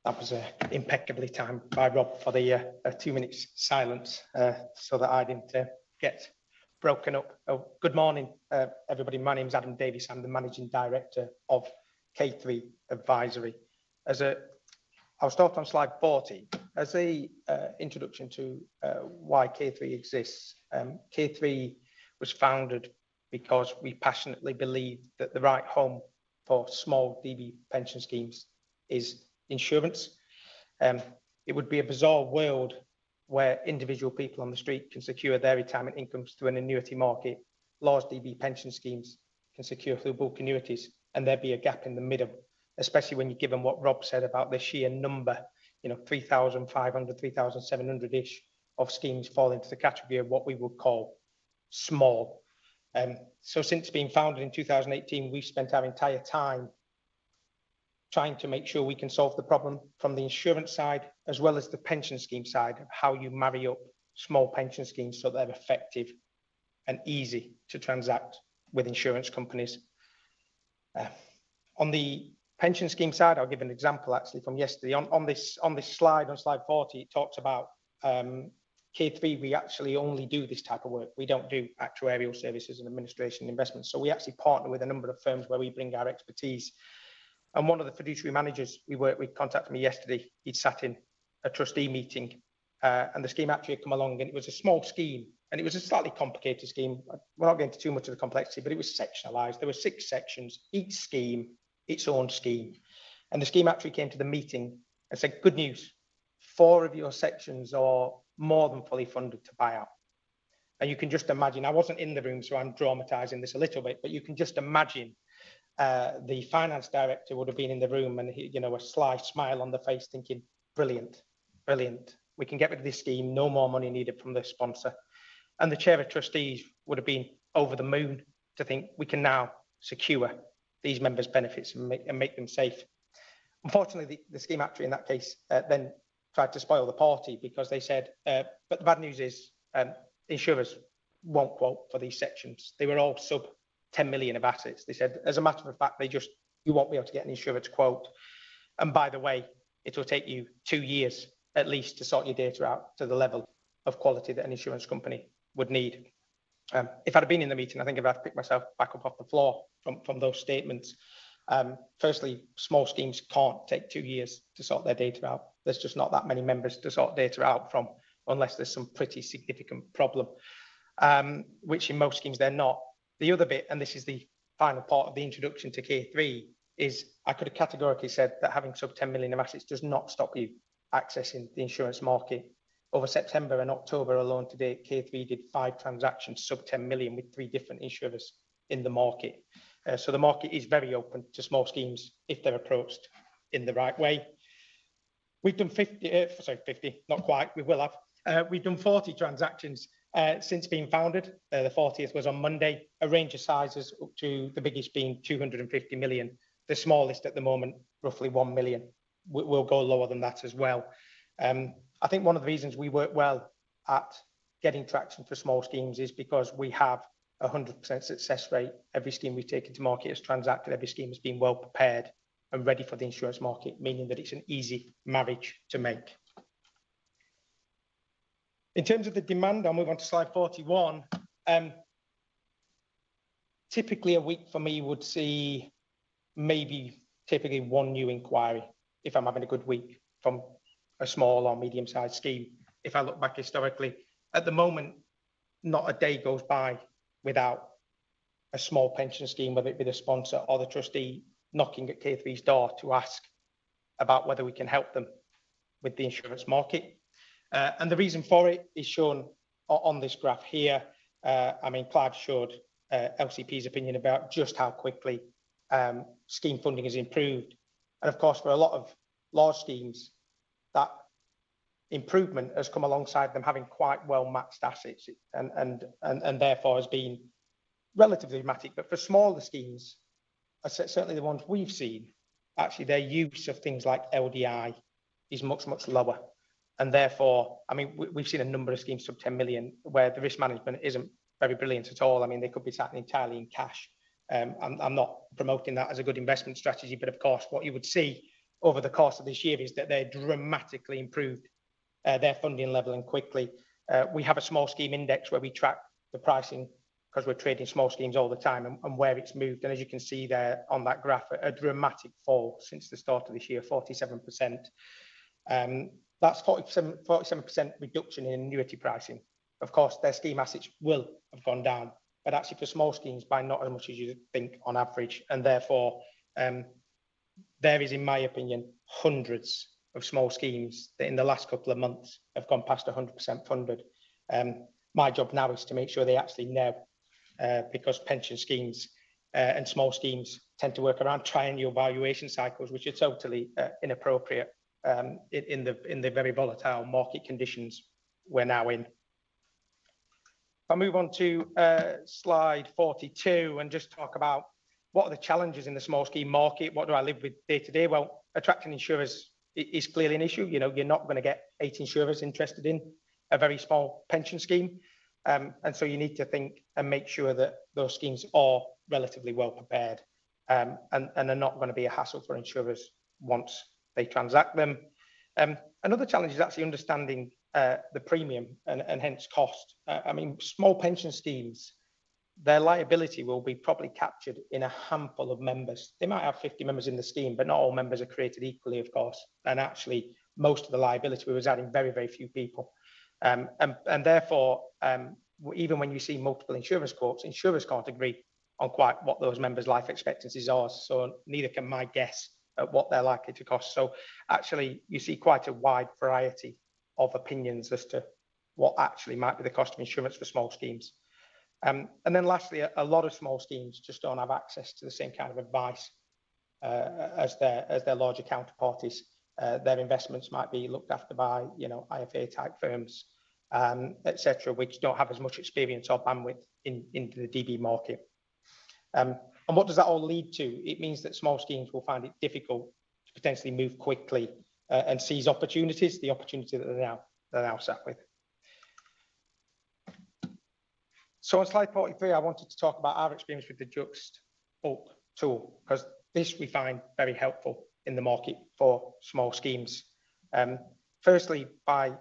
That was impeccably timed by Rob for the two minutes silence so that I didn't get broken up. Oh, good morning, everybody. My name is Adam Davis, I'm the Managing Director of K3 Advisory. I'll start on slide 40. As an introduction to why K3 exists. K3 was founded because we passionately believe that the right home for small DB pension schemes is insurance. It would be a bizarre world where individual people on the street can secure their retirement incomes through an annuity market, large DB pension schemes can secure through bulk annuities, and there'd be a gap in the middle. Especially when you're given what Rob said about the sheer number, you know, 3,000, 3,700-ish of schemes fall into the category of what we would call small. Since being founded in 2018, we've spent our entire time trying to make sure we can solve the problem from the insurance side as well as the pension scheme side of how you marry up small pension schemes so they're effective and easy to transact with insurance companies. On the pension scheme side, I'll give an example actually from yesterday. On this slide, on slide 40, it talks about K3. We actually only do this type of work. We don't do actuarial services and administration, investments. We actually partner with a number of firms where we bring our expertise and one of the fiduciary managers we work with contacted me yesterday. He'd sat in a trustee meeting, and the scheme actuary had come along, and it was a small scheme, and it was a slightly complicated scheme. We're not going into too much of the complexity, but it was sectionalized. There were six sections, each scheme its own scheme. The scheme actuary came to the meeting and said, "Good news, four of your sections are more than fully funded to buyout." You can just imagine I wasn't in the room, so I'm dramatizing this a little bit. You can just imagine, the finance director would have been in the room and he, you know, a slight smile on the face thinking, "Brilliant, brilliant. We can get rid of this scheme. No more money needed from the sponsor." The chair of trustees would have been over the moon to think we can now secure these members' benefits and make them safe. Unfortunately, the scheme actuary in that case then tried to spoil the party because they said, "But the bad news is, insurers won't quote for these sections." They were all sub 10 million of assets. They said, "As a matter of fact, they just you won't be able to get any insurer to quote. And by the way, it will take you two years at least to sort your data out to the level of quality that an insurance company would need." If I'd have been in the meeting, I think I'd have picked myself back up off the floor from those statements. Firstly, small schemes can't take two years to sort their data out. There's just not that many members to sort data out from unless there's some pretty significant problem, which in most schemes there're not. The other bit, and this is the final part of the introduction to K3, is I could have categorically said that having sub-GBP 10 million of assets does not stop you accessing the insurance market. Over September and October alone to date, K3 did five transactions sub-GBP 10 million with three different insurers in the market. The market is very open to small schemes if they're approached in the right way. We've done 40 transactions since being founded. The 40th was on Monday. A range of sizes up to the biggest being 250 million. The smallest at the moment, roughly 1 million. We'll go lower than that as well. I think one of the reasons we work well at getting traction for small schemes is because we have a 100% success rate. Every scheme we've taken to market has transacted. Every scheme has been well-prepared and ready for the insurance market, meaning that it's an easy marriage to make. In terms of the demand, I'll move on to slide 41. Typically a week for me would see maybe typically one new inquiry if I'm having a good week from a small or medium-sized scheme if I look back historically. At the moment, not a day goes by without a small pension scheme, whether it be the sponsor or the trustee knocking at K3's door to ask about whether we can help them with the insurance market. The reason for it is shown on this graph here. I mean, Clive showed LCP's opinion about just how quickly scheme funding has improved. Of course, for a lot of large schemes, that improvement has come alongside them having quite well-matched assets and therefore has been relatively dramatic. For smaller schemes, especially the ones we've seen, actually their use of things like LDI is much, much lower. Therefore, I mean, we've seen a number of schemes sub 10 million, where the risk management isn't very brilliant at all. I mean, they could be sat entirely in cash. I'm not promoting that as a good investment strategy, but of course what you would see over the course of this year is that they dramatically improved their funding level quickly. We have a small scheme index where we track the pricing because we're trading small schemes all the time and where it's moved. As you can see there on that graph, a dramatic fall since the start of this year, 47%. That's 47% reduction in annuity pricing. Of course, their scheme assets will have gone down, but actually for small schemes, by not as much as you think on average and therefore there is, in my opinion, hundreds of small schemes that in the last couple of months have gone past 100% funded. My job now is to make sure they actually know because pension schemes and small schemes tend to work around triennial valuation cycles, which are totally inappropriate in the very volatile market conditions we're now in. If I move on to slide 42 and just talk about what are the challenges in the small scheme market? What do I live with day to day? Well, attracting insurers is clearly an issue. You know, you're not gonna get eight insurers interested in a very small pension scheme. And so you need to think and make sure that those schemes are relatively well prepared, and are not gonna be a hassle for insurers once they transact them. Another challenge is actually understanding the premium and hence cost. I mean, small pension schemes, their liability will be probably captured in a handful of members. They might have 50 members in the scheme, but not all members are created equally, of course. Actually, most of the liability was out in very, very few people. Therefore, even when you see multiple insurance quotes, insurers can't agree on quite what those members' life expectancies are, so neither can I guess at what they're likely to cost. Actually, you see quite a wide variety of opinions as to what actually might be the cost of insurance for small schemes. Then lastly, a lot of small schemes just don't have access to the same kind of advice as their larger counterparties. Their investments might be looked after by, you know, IFA-type firms, et cetera, which don't have as much experience or bandwidth in the DB market. What does that all lead to? It means that small schemes will find it difficult to potentially move quickly and seize opportunities, the opportunity that they're now sat with. On slide 43, I wanted to talk about our experience with the Just Bulk tool, 'cause this we find very helpful in the market for small schemes. Firstly, by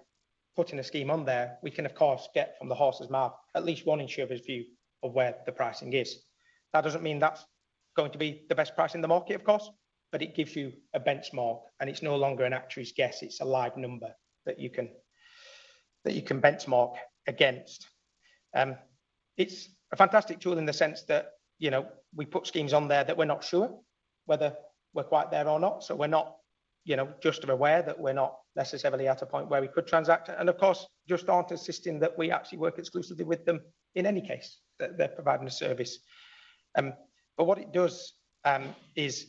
putting a scheme on there, we can of course get from the horse's mouth at least one insurer's view of where the pricing is. That doesn't mean that's going to be the best price in the market, of course, but it gives you a benchmark, and it's no longer an actuary's guess, it's a live number that you can benchmark against. It's a fantastic tool in the sense that, you know, we put schemes on there that we're not sure whether we're quite there or not, so we're not, you know, Just are aware that we're not necessarily at a point where we could transact. Of course, Just aren't insisting that we actually work exclusively with them in any case that they're providing a service. What it does is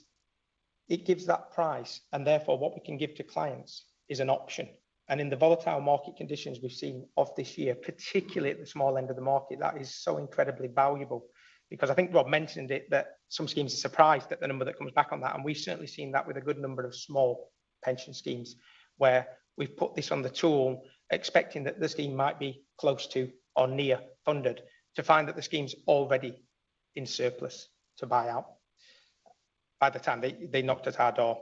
it gives that price, and therefore what we can give to clients is an option. In the volatile market conditions we've seen of this year, particularly at the small end of the market, that is so incredibly valuable because I think Rob mentioned it that some schemes are surprised at the number that comes back on that. We've certainly seen that with a good number of small pension schemes where we've put this on the tool expecting that the scheme might be close to or near funded to find that the scheme's already in surplus to buyout by the time they knocked at our door.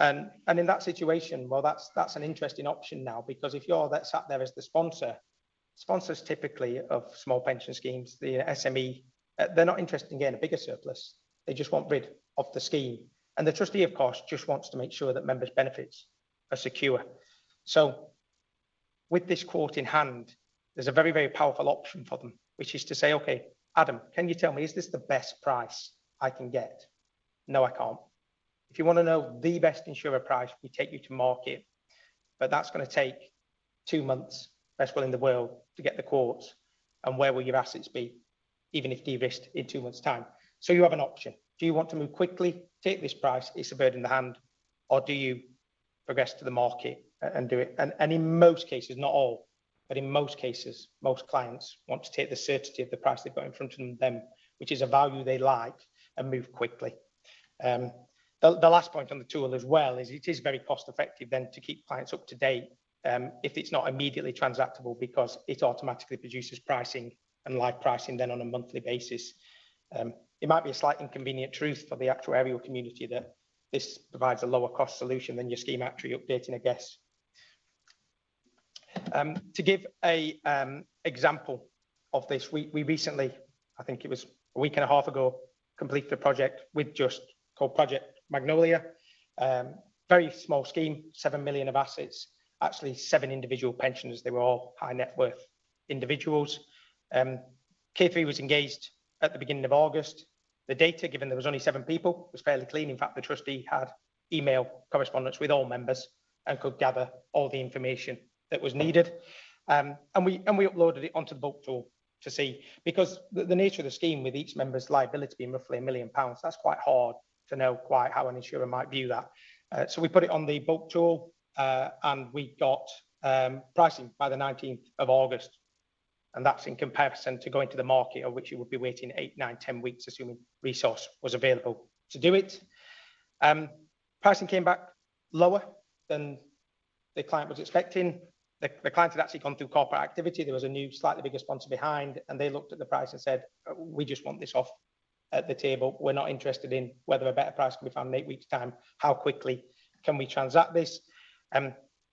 In that situation, well, that's an interesting option now because if you're just sat there as the sponsor, sponsors typically of small pension schemes, the SME, they're not interested in getting a bigger surplus. They just want rid of the scheme. The trustee, of course, just wants to make sure that members' benefits are secure. With this quote in hand, there's a very, very powerful option for them, which is to say, "Okay, Adam, can you tell me, is this the best price I can get?" No, I can't. If you wanna know the best insurer price, we take you to market, but that's gonna take two months, best will in the world, to get the quotes. Where will your assets be even if de-risked in two months' time? You have an option. Do you want to move quickly, take this price, it's a bird in the hand, or do you progress to the market and do it? In most cases, not all, but in most cases, most clients want to take the certainty of the price they've got in front of them, which is a value they like, and move quickly. The last point on the tool as well is it is very cost-effective then to keep clients up to date, if it's not immediately transactable because it automatically produces pricing and live pricing then on a monthly basis. It might be a slight inconvenient truth for the actuarial community that this provides a lower cost solution than your scheme actuary updating a guess. To give an example of this, we recently, I think it was a week and a half ago, completed a project with Just called Project Magnolia. Very small scheme, 7 million of assets. Actually seven individual pensioners. They were all high net worth individuals. K3 was engaged at the beginning of August. The data, given there was only seven people, was fairly clean. In fact, the trustee had email correspondence with all members and could gather all the information that was needed. We uploaded it onto the bulk tool to see because the nature of the scheme with each member's liability being roughly 1 million pounds, that's quite hard to know quite how an insurer might view that. We put it on the Bulk quotation tool, and we got pricing by the nineteenth of August, and that's in comparison to going to the market at which you would be waiting eight, nine, 10 weeks, assuming resource was available to do it. Pricing came back lower than the client was expecting. The client had actually gone through corporate activity. There was a new, slightly bigger sponsor behind, and they looked at the price and said, "We just want this off the table. We're not interested in whether a better price can be found in eight weeks' time. How quickly can we transact this?"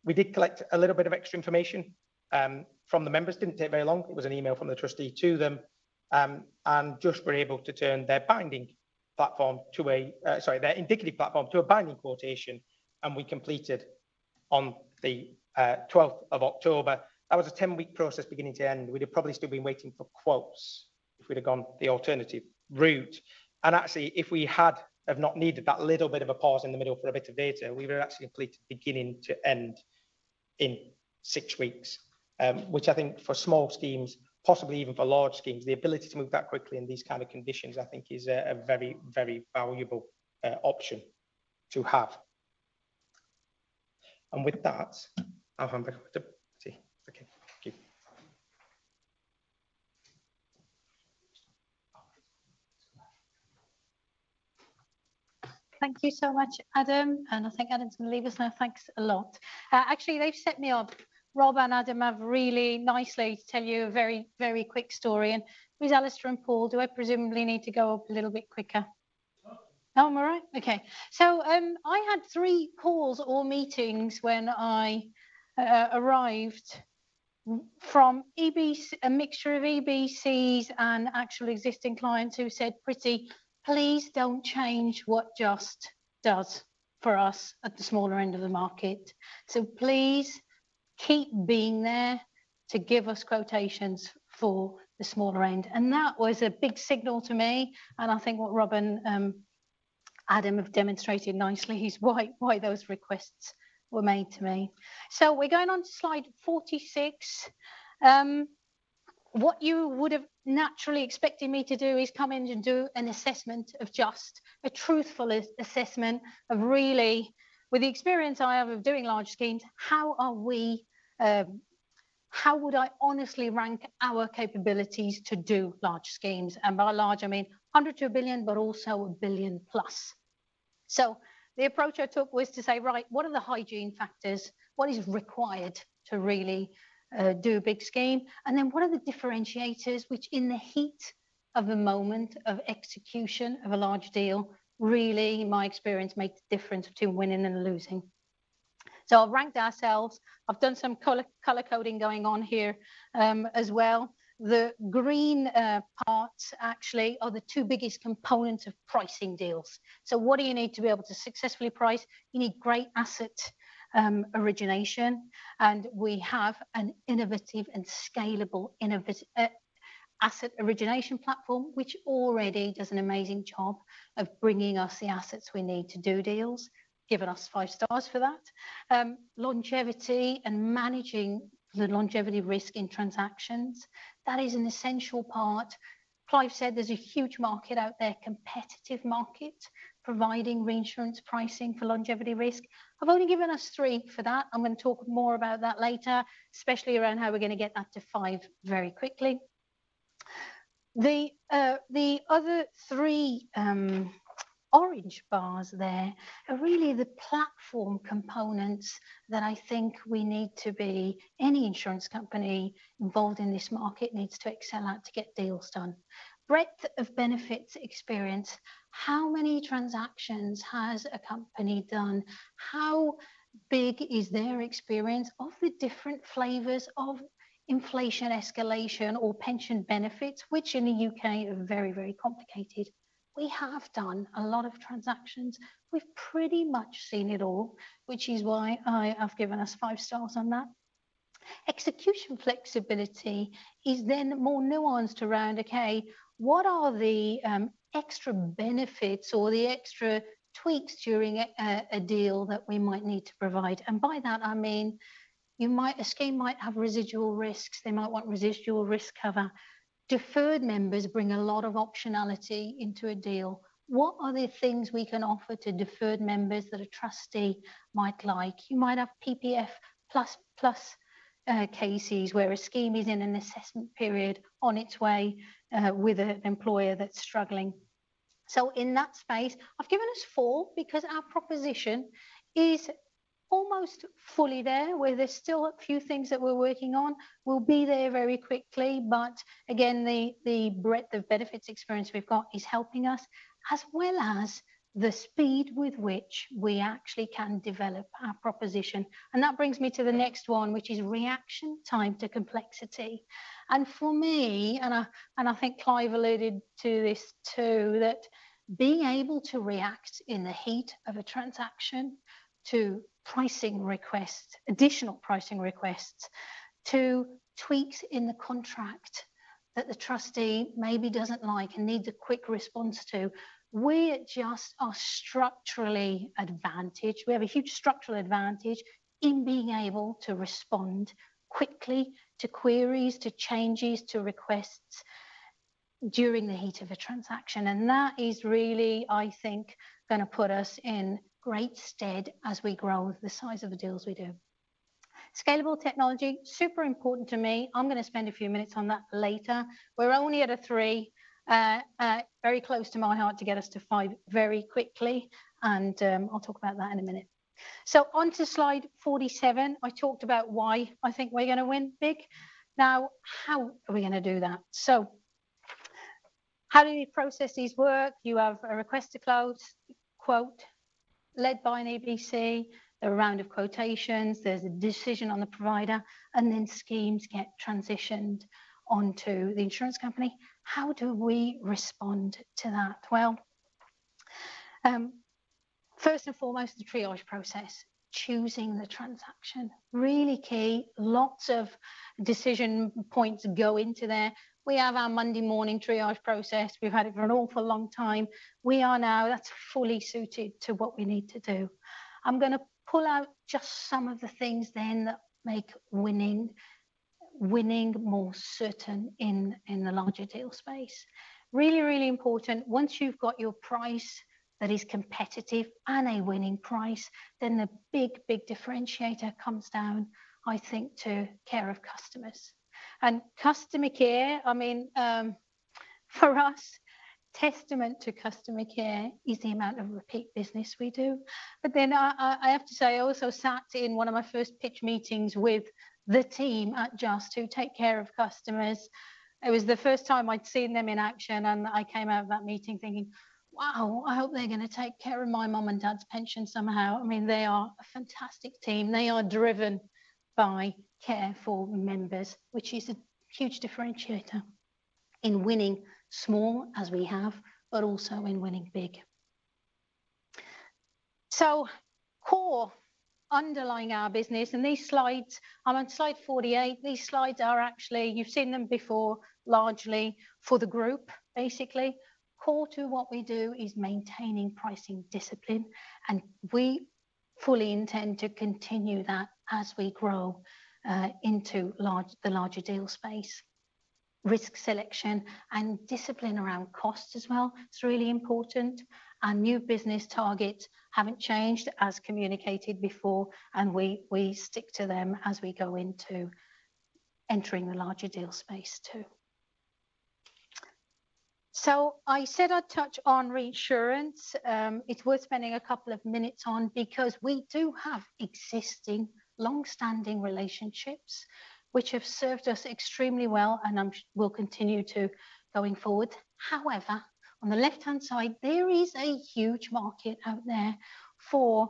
We did collect a little bit of extra information from the members. Didn't take very long. It was an email from the trustee to them. Just were able to turn their indicative platform to a binding quotation, and we completed. On the 12th of October. That was a 10-week process beginning to end. We'd have probably still been waiting for quotes if we'd have gone the alternative route. Actually, if we had have not needed that little bit of a pause in the middle for a bit of data, we would have actually completed beginning to end in six weeks, which I think for small schemes, possibly even for large schemes, the ability to move that quickly in these kind of conditions, I think is a very valuable option to have. With that, I'll hand back to Pretty. Okay. Thank you. Thank you so much, Adam, and I think Adam's gonna leave us now. Thanks a lot. Actually, they've set me up, Rob and Adam have, really nicely to tell you a very, very quick story. Where's Alistair and Paul? Do I presumably need to go up a little bit quicker? No. No, I'm all right. Okay. I had three calls or meetings when I arrived from EBC, a mixture of EBCs and actual existing clients who said, "Pretty, please don't change what Just does for us at the smaller end of the market. Please keep being there to give us quotations for the smaller end." That was a big signal to me, and I think what Rob and Adam have demonstrated nicely is why those requests were made to me. We're going on to slide 46. What you would have naturally expected me to do is come in and do an assessment of Just. A truthful assessment of really, with the experience I have of doing large schemes, how are we, how would I honestly rank our capabilities to do large schemes? and large, I mean under 2 billion, but also 1 billion plus. The approach I took was to say, right, what are the hygiene factors? What is required to really do a big scheme? Then what are the differentiators which in the heat of a moment of execution of a large deal, really, in my experience, make the difference between winning and losing? I've ranked ourselves. I've done some color-coding going on here, as well. The green parts actually are the two biggest components of pricing deals. What do you need to be able to successfully price? You need great asset origination, and we have an innovative and scalable asset origination platform, which already does an amazing job of bringing us the assets we need to do deals. Given us five stars for that. Longevity and managing the longevity risk in transactions, that is an essential part. Clive said there's a huge market out there, competitive market, providing reinsurance pricing for longevity risk. I've only given us three for that. I'm gonna talk more about that later, especially around how we're gonna get that to five very quickly. The other three orange bars there are really the platform components that I think any insurance company involved in this market needs to excel at to get deals done. Breadth of benefits experience. How many transactions has a company done? How big is their experience of the different flavors of inflation escalation or pension benefits, which in the U.K. are very, very complicated. We have done a lot of transactions. We've pretty much seen it all, which is why I have given us five stars on that. Execution flexibility is then more nuanced around, okay, what are the extra benefits or the extra tweaks during a deal that we might need to provide? By that, I mean, a scheme might have residual risks. They might want residual risk cover. Deferred members bring a lot of optionality into a deal. What are the things we can offer to deferred members that a trustee might like? You might have PPF plus cases where a scheme is in an assessment period on its way with an employer that's struggling. In that space, I've given us four because our proposition is almost fully there, where there's still a few things that we're working on. We'll be there very quickly, but again, the breadth of benefits experience we've got is helping us, as well as the speed with which we actually can develop our proposition. That brings me to the next one, which is reaction time to complexity. For me, and I think Clive alluded to this too, that being able to react in the heat of a transaction to pricing requests, additional pricing requests, to tweaks in the contract that the trustee maybe doesn't like and needs a quick response to, we at Just are structurally advantaged. We have a huge structural advantage in being able to respond quickly to queries, to changes, to requests during the heat of a transaction, and that is really, I think, gonna put us in great stead as we grow the size of the deals we do. Scalable technology, super important to me. I'm gonna spend a few minutes on that later. We're only at a three. Very close to my heart to get us to five very quickly and, I'll talk about that in a minute. On to slide 47. I talked about why I think we're gonna win big. Now, how are we gonna do that? How do these processes work? You have a request to close quote led by an EBC. There are a round of quotations. There's a decision on the provider, and then schemes get transitioned onto the insurance company. How do we respond to that? Well, first and foremost, the triage process. Choosing the transaction. Really key. Lots of decision points go into there. We have our Monday morning triage process. We've had it for an awful long time. We are now. That's fully suited to what we need to do. I'm gonna pull out just some of the things then that make winning more certain in the larger deal space. Really important, once you've got your price that is competitive and a winning price, then the big differentiator comes down, I think, to care of customers. Customer care, I mean, for us, testament to customer care is the amount of repeat business we do. I have to say, I also sat in one of my first pitch meetings with the team at Just who take care of customers. It was the first time I'd seen them in action, and I came out of that meeting thinking, "Wow, I hope they're gonna take care of my mom and dad's pension somehow." I mean, they are a fantastic team. They are driven by care for members, which is a huge differentiator in winning small as we have, but also in winning big. Core underlying our business and these slides. I'm on slide 48. These slides are actually. You've seen them before largely for the group basically. Core to what we do is maintaining pricing discipline, and we fully intend to continue that as we grow into the larger deal space. Risk selection and discipline around cost as well is really important. Our new business targets haven't changed as communicated before, and we stick to them as we go into entering the larger deal space too. I said I'd touch on reinsurance. It's worth spending a couple of minutes on because we do have existing long-standing relationships which have served us extremely well, and will continue going forward. However, on the left-hand side, there is a huge market out there for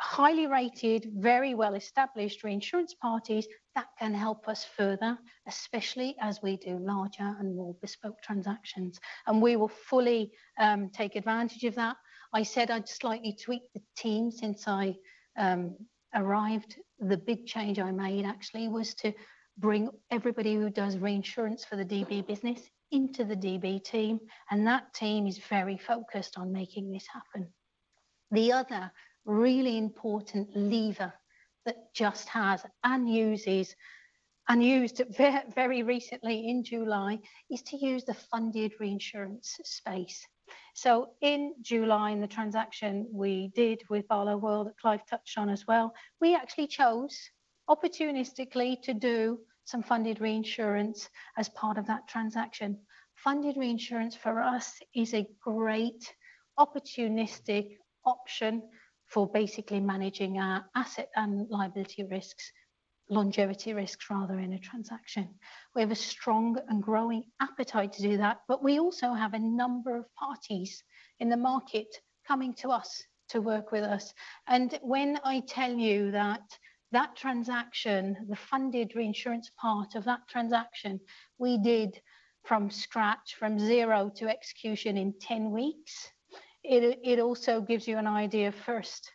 highly rated, very well-established reinsurance parties that can help us further, especially as we do larger and more bespoke transactions. We will fully take advantage of that. I said I'd slightly tweaked the team since I arrived. The big change I made actually was to bring everybody who does reinsurance for the DB business into the DB team, and that team is very focused on making this happen. The other really important lever that Just has and uses and used very recently in July is to use the funded reinsurance space. In July, in the transaction we did with Barloworld that Clive touched on as well, we actually chose opportunistically to do some funded reinsurance as part of that transaction. Funded reinsurance for us is a great opportunistic option for basically managing our asset and liability risks, longevity risks rather in a transaction. We have a strong and growing appetite to do that, but we also have a number of parties in the market coming to us to work with us. When I tell you that transaction, the funded reinsurance part of that transaction we did from scratch, from zero to execution in 10 weeks, it also gives you an idea first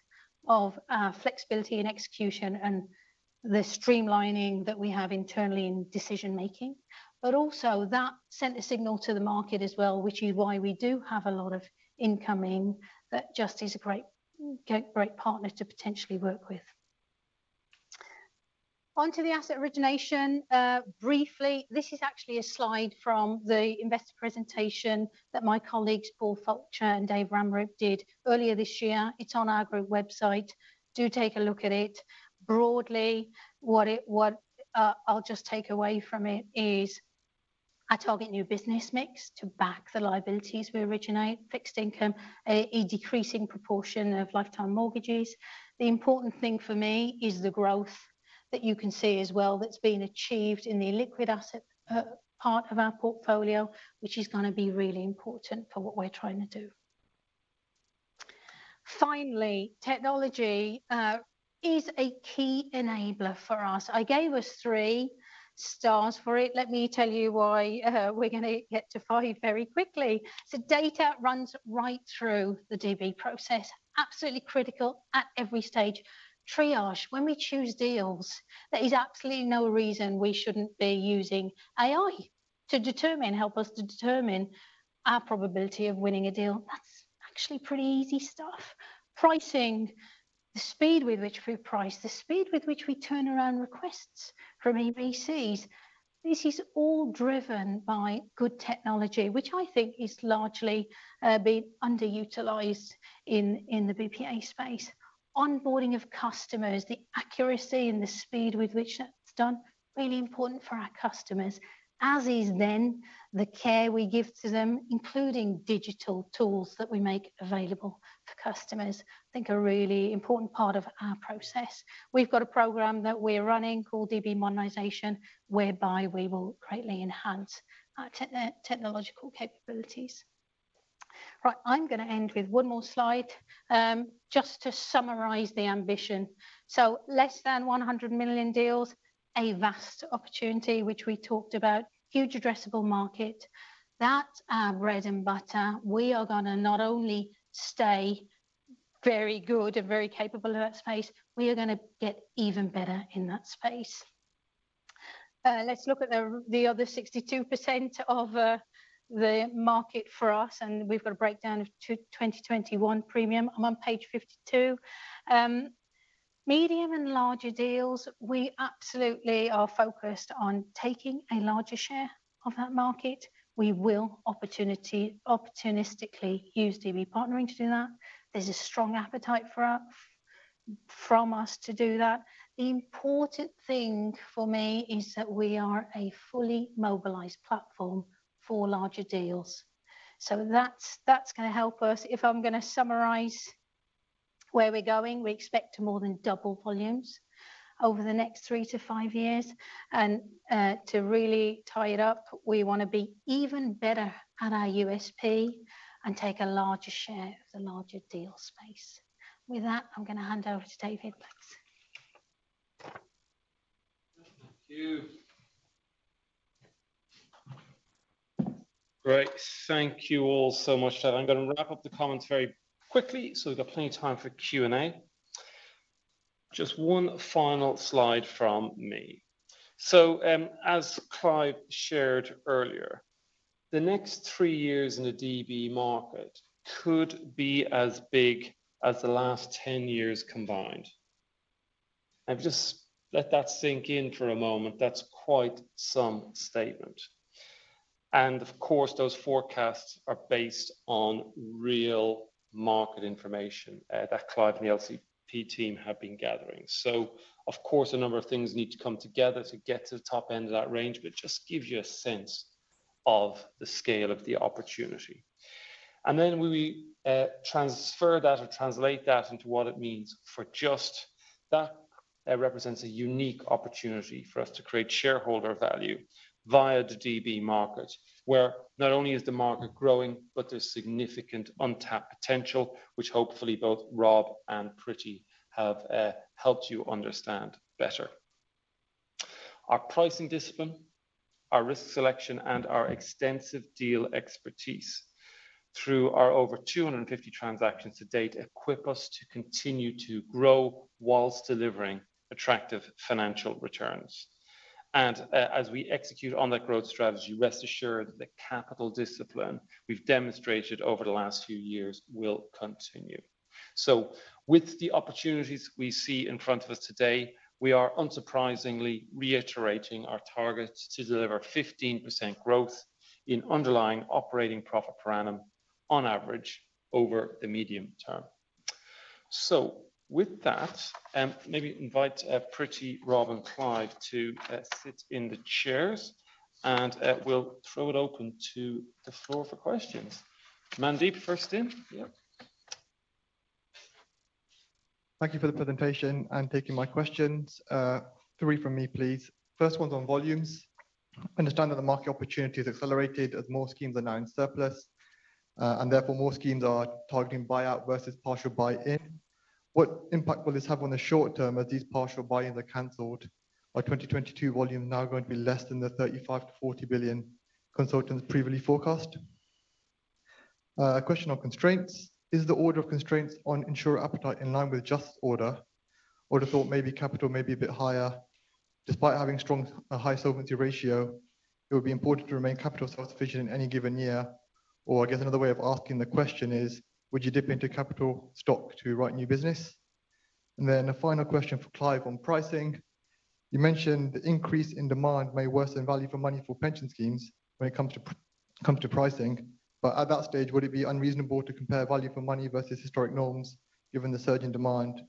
of flexibility and execution and the streamlining that we have internally in decision-making. That sent a signal to the market as well, which is why we do have a lot of incoming that Just is a great partner to potentially work with. On to the asset origination. Briefly, this is actually a slide from the investor presentation that my colleagues Paul Fulcher and David Ramroop did earlier this year. It's on our group website. Do take a look at it. Broadly, what I'll just take away from it is our target new business mix to back the liabilities we originate, fixed income, a decreasing proportion of lifetime mortgages. The important thing for me is the growth that you can see as well that's been achieved in the liquid asset part of our portfolio, which is gonna be really important for what we're trying to do. Finally, technology is a key enabler for us. I gave us three stars for it. Let me tell you why, we're gonna get to five very quickly. Data runs right through the DB process. Absolutely critical at every stage. Triage. When we choose deals, there is absolutely no reason we shouldn't be using AI to determine, help us to determine our probability of winning a deal. That's actually pretty easy stuff. Pricing. The speed with which we price, the speed with which we turn around requests from EBCs. This is all driven by good technology, which I think is largely been underutilized in the BPA space. Onboarding of customers, the accuracy and the speed with which that's done, really important for our customers. As is then the care we give to them, including digital tools that we make available for customers. I think a really important part of our process. We've got a program that we're running called DB Modernisation, whereby we will greatly enhance our technological capabilities. Right. I'm gonna end with one more slide, just to summarize the ambition. Less than 100 million deals, a vast opportunity which we talked about. Huge addressable market. That's our bread and butter. We are gonna not only stay very good and very capable of that space. We are going to get even better in that space. Let's look at the other 62% of the market for us, and we've got a breakdown of 2021 premium. I'm on page 52. Medium and larger deals, we absolutely are focused on taking a larger share of that market. We will opportunistically use DB partnering to do that. There's a strong appetite from us to do that. The important thing for me is that we are a fully mobilized platform for larger deals. That's gonna help us. If I'm gonna summarize where we're going, we expect to more than double volumes over the next three to five years. To really tie it up, we wanna be even better at our USP and take a larger share of the larger deal space. With that, I'm gonna hand over to David, please. Thank you. Great. Thank you all so much. I'm gonna wrap up the commentary quickly, so we've got plenty of time for Q&A. Just one final slide from me. As Clive shared earlier, the next three years in the DB market could be as big as the last 10 years combined. Just let that sink in for a moment. That's quite some statement. Of course, those forecasts are based on real market information that Clive and the LCP team have been gathering. Of course, a number of things need to come together to get to the top end of that range, but just gives you a sense of the scale of the opportunity. Then we transfer that or translate that into what it means for Just. That represents a unique opportunity for us to create shareholder value via the DB market, where not only is the market growing, but there's significant untapped potential, which hopefully both Rob and Pretty have helped you understand better. Our pricing discipline, our risk selection, and our extensive deal expertise through our over 250 transactions to date equip us to continue to grow whilst delivering attractive financial returns. As we execute on that growth strategy, rest assured that the capital discipline we've demonstrated over the last few years will continue. With the opportunities we see in front of us today, we are unsurprisingly reiterating our target to deliver 15% growth in underlying operating profit per annum on average over the medium term. With that, maybe invite Pretty, Rob, and Clive to sit in the chairs, and we'll throw it open to the floor for questions. Mandeep, first in. Yep. Thank you for the presentation and taking my questions. Three from me, please. First one's on volumes. Understand that the market opportunity is accelerated as more schemes are now in surplus, and therefore more schemes are targeting buyout versus partial buy-in. What impact will this have on the short term as these partial buy-ins are canceled? Are 2022 volumes now going to be less than the 35-40 billion consultants previously forecast? A question on constraints. Is the order of constraints on insurer appetite in line with Just order? Would have thought maybe capital may be a bit higher. Despite having strong, high solvency ratio, it would be important to remain capital sufficient in any given year. Or I guess another way of asking the question is, would you dip into capital stock to write new business? A final question for Clive on pricing. You mentioned the increase in demand may worsen value for money for pension schemes when it comes to pricing. At that stage, would it be unreasonable to compare value for money versus historic norms given the surge in demand,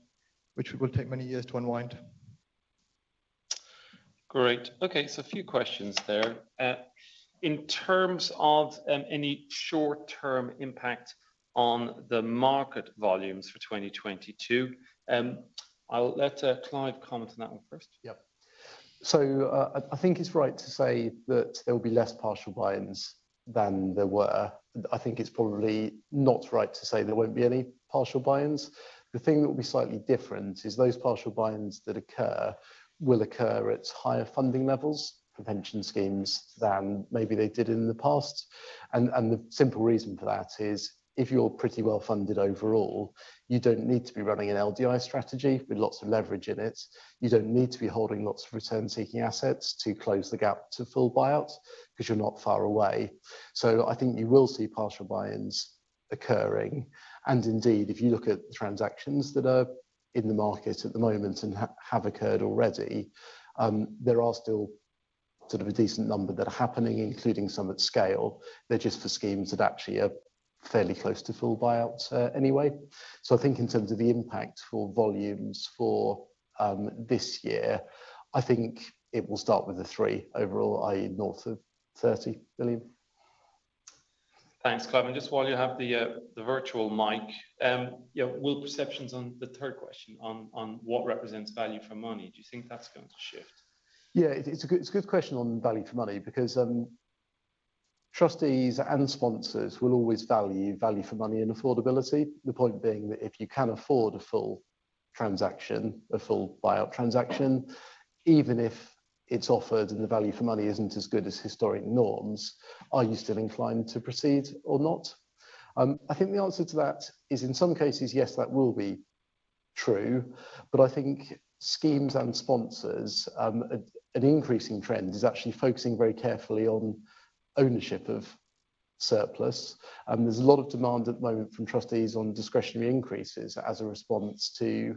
which will take many years to unwind? Great. Okay. A few questions there. In terms of any short-term impact on the market volumes for 2022, I'll let Clive comment on that one first. Yep. I think it's right to say that there will be less partial buy-ins than there were. I think it's probably not right to say there won't be any partial buy-ins. The thing that will be slightly different is those partial buy-ins that occur will occur at higher funding levels for pension schemes than maybe they did in the past. The simple reason for that is if you're pretty well-funded overall, you don't need to be running an LDI strategy with lots of leverage in it. You don't need to be holding lots of return-seeking assets to close the gap to full buyouts because you're not far away. I think you will see partial buy-ins occurring, and indeed, if you look at transactions that are in the market at the moment and have occurred already, there are still sort of a decent number that are happening, including some at scale. They're just for schemes that actually are fairly close to full buyouts, anyway. I think in terms of the impact for volumes for this year, I think it will start with a three overall, i.e. north of 30 billion. Thanks, Clive. Just while you have the virtual mic, you know, will perceptions on the third question on what represents value for money, do you think that's going to shift? It's a good question on value for money because trustees and sponsors will always value value for money and affordability. The point being that if you can afford a full transaction, a full buyout transaction, even if it's offered and the value for money isn't as good as historic norms, are you still inclined to proceed or not? I think the answer to that is in some cases, yes, that will be true. But I think schemes and sponsors, an increasing trend is actually focusing very carefully on ownership of surplus. There's a lot of demand at the moment from trustees on discretionary increases as a response to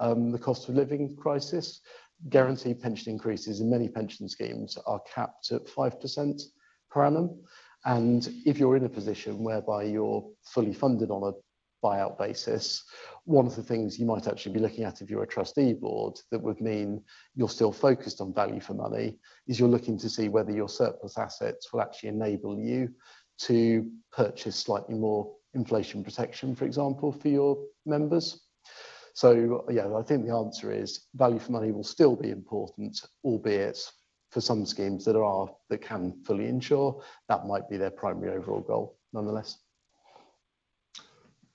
the cost of living crisis. Guaranteed pension increases in many pension schemes are capped at 5% per annum. If you're in a position whereby you're fully funded on a buyout basis, one of the things you might actually be looking at if you're a trustee board that would mean you're still focused on value for money, is you're looking to see whether your surplus assets will actually enable you to purchase slightly more inflation protection, for example, for your members. Yeah. I think the answer is value for money will still be important, albeit for some schemes they can fully insure, that might be their primary overall goal nonetheless.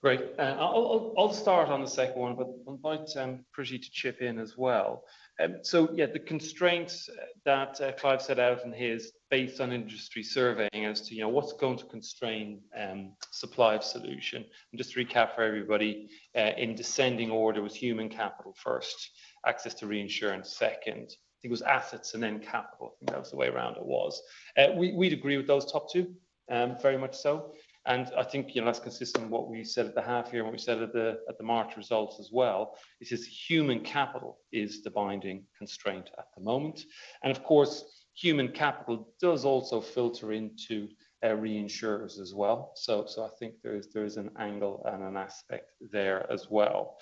Great. I'll start on the second one, but invite Pretty to chip in as well. Yeah, the constraints that Clive set out in his, based on industry surveying as to, you know, what's going to constrain supply of solution. Just to recap for everybody, in descending order was human capital first, access to reinsurance second, think it was assets and then capital. I think that was the way around it was. We'd agree with those top two, very much so. I think, you know, that's consistent with what we said at the half year and what we said at the March results as well, is just human capital is the binding constraint at the moment. Of course, human capital does also filter into reinsurers as well. I think there is an angle and an aspect there as well.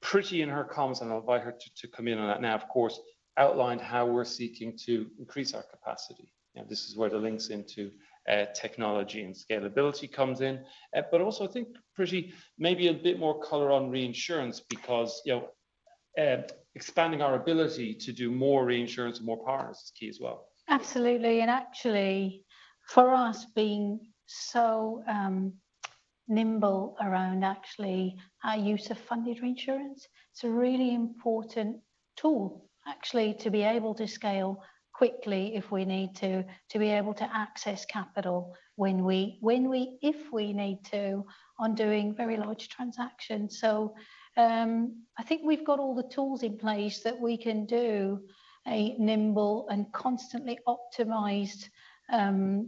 Pretty in her comments, and I'll invite her to come in on that now, of course, outlined how we're seeking to increase our capacity. You know, this is where the links into technology and scalability comes in. I think Pretty maybe a bit more color on reinsurance because, you know, expanding our ability to do more reinsurance and more partners is key as well. Absolutely. Actually for us being so nimble around actually our use of funded reinsurance, it's a really important tool actually to be able to scale quickly if we need to be able to access capital when we, if we need to on doing very large transactions. I think we've got all the tools in place that we can do a nimble and constantly optimized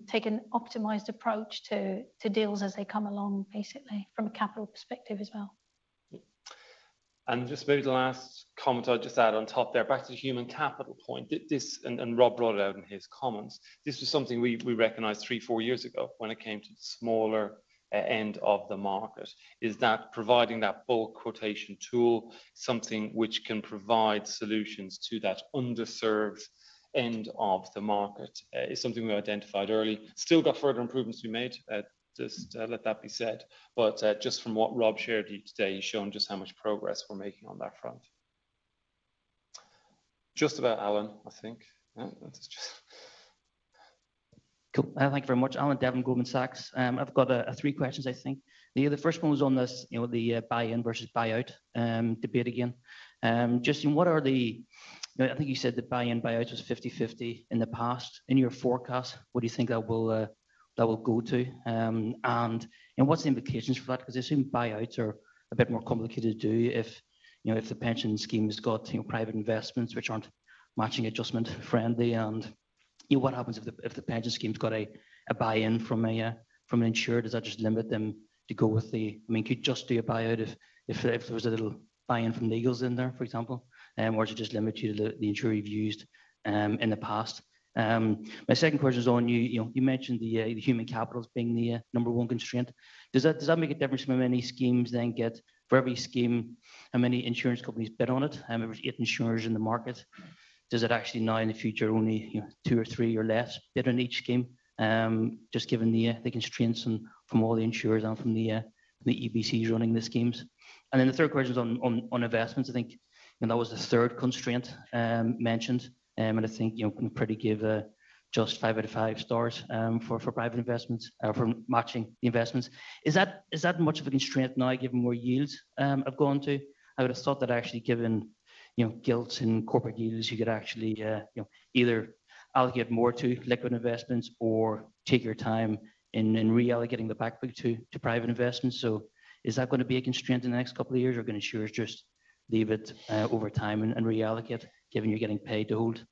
take an optimized approach to deals as they come along, basically from a capital perspective as well. Just maybe the last comment I'll just add on top there. Back to the human capital point. This and Rob brought it out in his comments. This was something we recognized 3-4 years ago when it came to the smaller end of the market, is that providing that bulk quotation tool, something which can provide solutions to that underserved end of the market, is something we identified early. Still got further improvements to be made, just to let that be said. Just from what Rob shared here today, he's shown just how much progress we're making on that front. Just about Alan, I think. Yeah. Let's just. Cool. Thank you very much. Alan Devlin, Goldman Sachs. I've got three questions, I think. The first one was on this, you know, the buy-in versus buyout debate again. Just in what are the. I think you said the buy-in buyout was 50/50 in the past. In your forecast, what do you think that will go to? And what's the implications for that? 'Cause I assume buyouts are a bit more complicated to do if, you know, if the pension scheme's got, you know, private investments which aren't matching adjustment friendly. And what happens if the pension scheme's got a buy-in from an insurer? Does that just limit them to go with the I mean, could you just do a buyout if there was a little buy-in from L&G's in there, for example? Or does it just limit you to the insurer you've used in the past? My second question is on you know, you mentioned the human capital as being the number one constraint. Does that make a difference from how many schemes then get for every scheme, how many insurance companies bid on it? If there's eight insurers in the market, does it actually now in the future only, you know, two or three or less bid on each scheme? Just given the constraints from all the insurers and from the EBCs running the schemes. The third question is on investments. I think, you know, that was the third constraint mentioned. I think, you know, can probably give just five out of five stars for private investments or for matching the investments. Is that much of a constraint now given where yields have gone to? I would've thought that actually given, you know, gilts and corporate yields, you could actually, you know, either allocate more to liquid investments or take your time in reallocating the backlog to private investments. Is that gonna be a constraint in the next couple of years, or can insurers just leave it over time and reallocate given you're getting paid to hold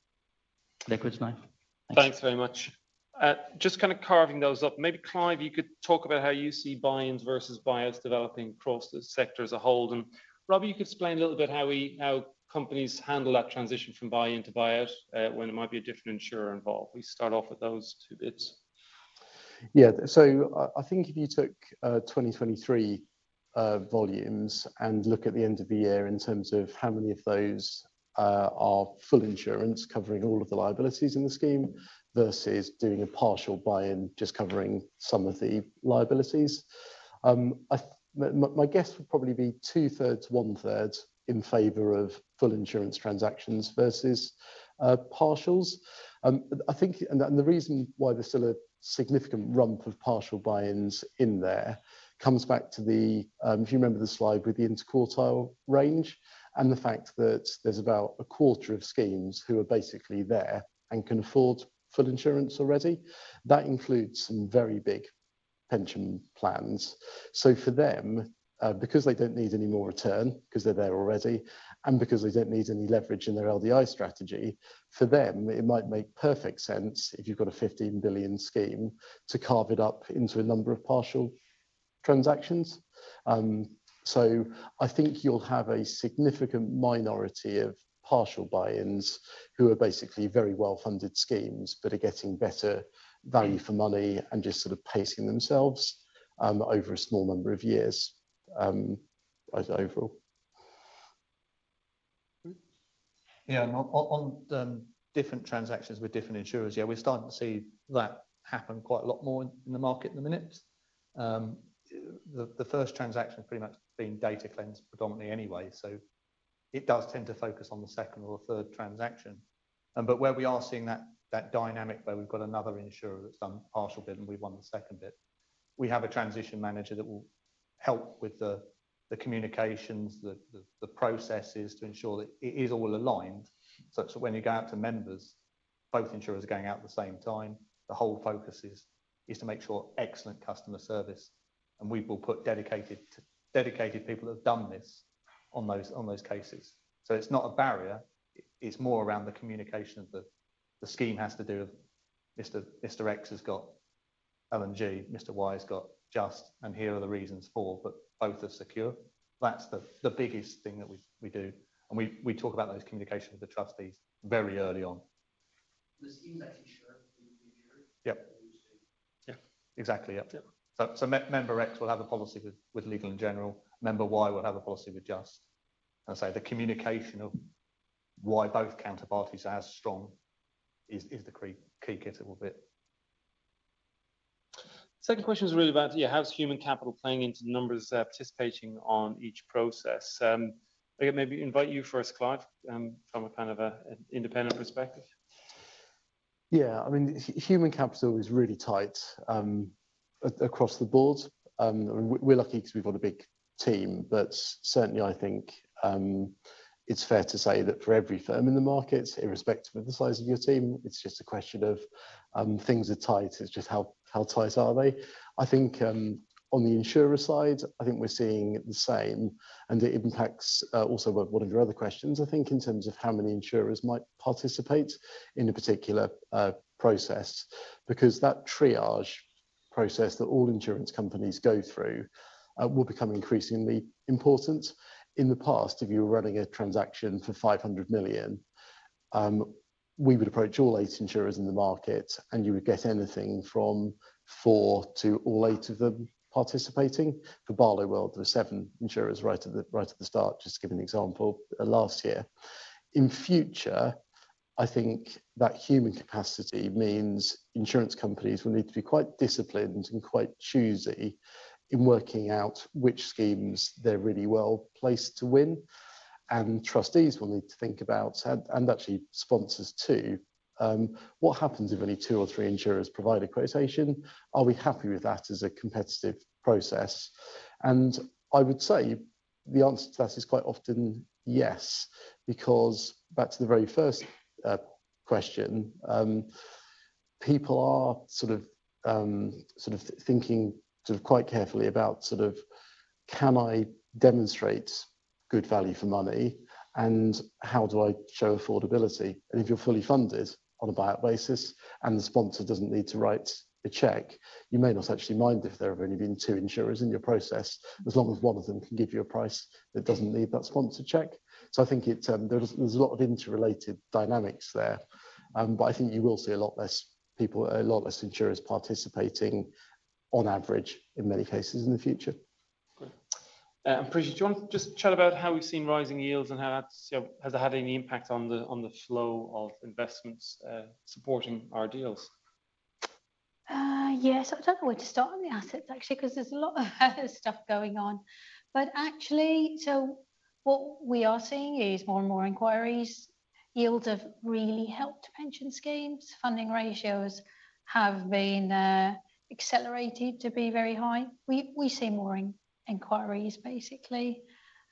liquids now? Thanks. Thanks very much. Just kind of carving those up, maybe Clive, you could talk about how you see buy-ins versus buyouts developing across the sector as a whole. Rob, you could explain a little bit how companies handle that transition from buy-in to buyout, when there might be a different insurer involved. We start off with those two bits. I think if you took 2023 volumes and look at the end of the year in terms of how many of those are full insurance covering all of the liabilities in the scheme versus doing a partial buy-in just covering some of the liabilities, my guess would probably be 2/3, 1/3 in favor of full insurance transactions versus partials. I think the reason why there's still a significant rump of partial buy-ins in there comes back to if you remember the slide with the interquartile range and the fact that there's about a quarter of schemes who are basically there and can afford full insurance already. That includes some very big pension plans. For them, because they don't need any more return because they're there already, and because they don't need any leverage in their LDI strategy, for them it might make perfect sense if you've got a 15 billion scheme to carve it up into a number of partial transactions. I think you'll have a significant minority of partial buy-ins who are basically very well-funded schemes but are getting better value for money and just sort of pacing themselves over a small number of years, as overall. Yeah. On different transactions with different insurers, yeah, we're starting to see that happen quite a lot more in the market at the minute. The first transaction has pretty much been data cleanse predominantly anyway, so it does tend to focus on the second or third transaction. But where we are seeing that dynamic where we've got another insurer that's done partial buy-in and we've won the second buy-in, we have a transition manager that will help with the communications, the processes to ensure that it is all aligned, such that when you go out to members, both insurers are going out at the same time. The whole focus is to make sure excellent customer service, and we will put dedicated people that have done this on those cases. It's not a barrier. It's more around the communication that the scheme has to do. Mr. X has got L&G, Mr. Y has got Just, and here are the reasons for, but both are secure. That's the biggest thing that we do, and we talk about those communications with the trustees very early on. The scheme that insurer. Yeah. Yeah. Exactly. Yeah. Yeah. Member X will have a policy with Legal & General. Member Y will have a policy with Just. As I say, the communication of why both counterparties are as strong is the key critical bit. Second question is really about, yeah, how's human capital playing into the numbers, participating on each process? Maybe invite you first, Clive, from a kind of an independent perspective. Yeah. I mean, human capital is really tight across the board. We're lucky because we've got a big team. Certainly I think it's fair to say that for every firm in the market, irrespective of the size of your team, it's just a question of things are tight. It's just how tight are they? I think on the insurer side, I think we're seeing the same and the impacts. Also one of your other questions I think in terms of how many insurers might participate in a particular process because that triage process that all insurance companies go through will become increasingly important. In the past, if you were running a transaction for 500 million, we would approach all eight insurers in the market and you would get anything from four to all eight of them participating. For Barloworld, there were seven insurers right at the start, just to give an example last year. In future, I think that human capacity means insurance companies will need to be quite disciplined and quite choosy in working out which schemes they're really well-placed to win and trustees will need to think about and actually sponsors too, what happens if only two or three insurers provide a quotation? Are we happy with that as a competitive process? I would say the answer to that is quite often yes because back to the very first question, people are thinking quite carefully about can I demonstrate good value for money and how do I show affordability? If you're fully funded on a buyout basis and the sponsor doesn't need to write a check, you may not actually mind if there have only been two insurers in your process as long as one of them can give you a price that doesn't need that sponsor check. I think there's a lot of interrelated dynamics there, but I think you will see a lot less people, a lot less insurers participating on average in many cases in the future. Great. Pretty Sagoo, do you want to just chat about how we've seen rising yields and how that's, you know, has it had any impact on the flow of investments supporting our deals? Yes. I don't know where to start on the assets actually 'cause there's a lot of stuff going on. Actually, so what we are seeing is more and more inquiries. Yields have really helped pension schemes. Funding ratios have been accelerated to be very high. We see more inquiries basically,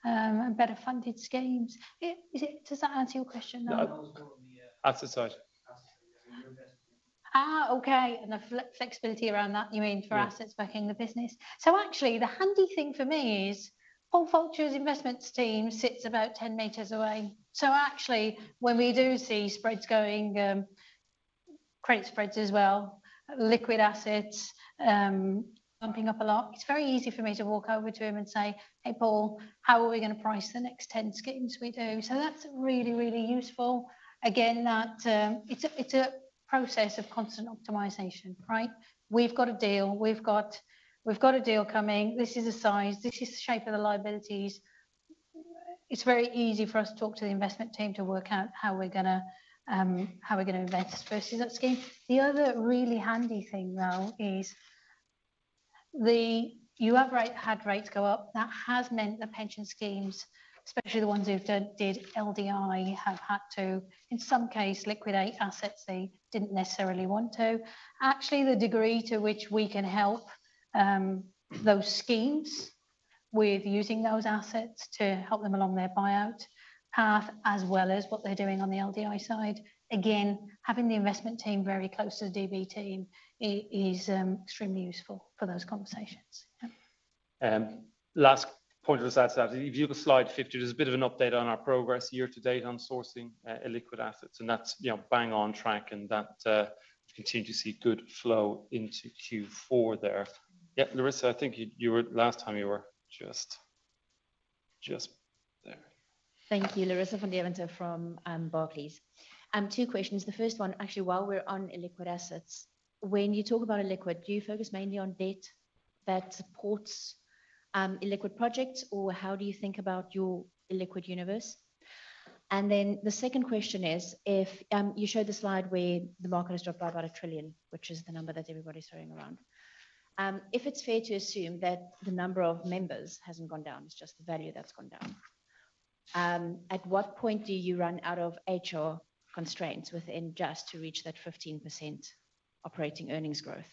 and better funded schemes. Does that answer your question now? No. More on the. Asset side. Asset side. Investment. Okay. The flexibility around that you mean for assets? Yeah Backing the business. Actually, the handy thing for me is Paul Fulcher's investments team sits about 10 meters away. Actually, when we do see spreads going, credit spreads as well, liquid assets, bumping up a lot, it's very easy for me to walk over to him and say, "Hey, Paul. How are we gonna price the next 10 schemes we do?" That's really, really useful. Again, it's a process of constant optimization, right? We've got a deal. We've got a deal coming. This is the size. This is the shape of the liabilities. It's very easy for us to talk to the investment team to work out how we're gonna invest versus that scheme. The other really handy thing though is the rates had gone up. That has meant the pension schemes, especially the ones who've done LDI have had to in some cases liquidate assets they didn't necessarily want to. Actually the degree to which we can help those schemes with using those assets to help them along their buyout path as well as what they're doing on the LDI side. Again, having the investment team very close to the DB team is extremely useful for those conversations. Yeah. Last point on this slide. If you look at slide 50, there's a bit of an update on our progress year to date on sourcing illiquid assets, and that's, you know, bang on track and that we continue to see good flow into Q4 there. Yeah, Larissa, I think you were last time you were just there. Thank you. Larissa van Deventer from Barclays. Two questions. The first one, actually, while we're on illiquid assets, when you talk about illiquid, do you focus mainly on debt that supports illiquid projects? Or how do you think about your illiquid universe? The second question is, if you showed the slide where the market has dropped by about 1 trillion, which is the number that everybody's throwing around. If it's fair to assume that the number of members hasn't gone down, it's just the value that's gone down, at what point do you run out of HR constraints within Just to reach that 15% operating earnings growth?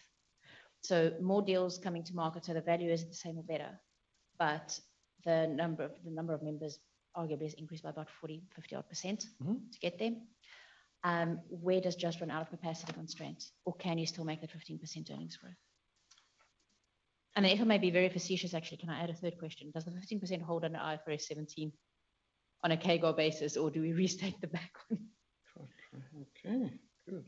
More deals coming to market, so the value is the same or better, but the number of members arguably has increased by about 40, 50-odd%. Mm-hmm To get there. Where does Just run out of capacity constraints, or can you still make that 15% earnings growth? If I may be very facetious, actually, can I add a third question? Does the 15% hold under IFRS 17 on a CAGR basis, or do we restate the back one? Okay, good.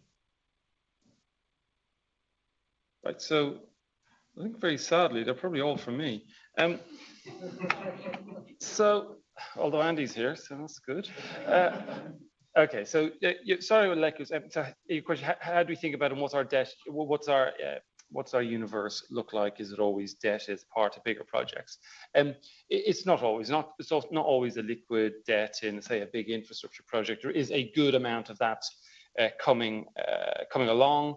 Right. I think very sadly they're probably all for me. Although Andy's here, that's good. Sorry, Larissa. Your question, how do we think about and what's our debt, what's our universe look like? Is it always debt as part of bigger projects? It's not always. It's not always illiquid debt in, say, a big infrastructure project. There is a good amount of that coming along.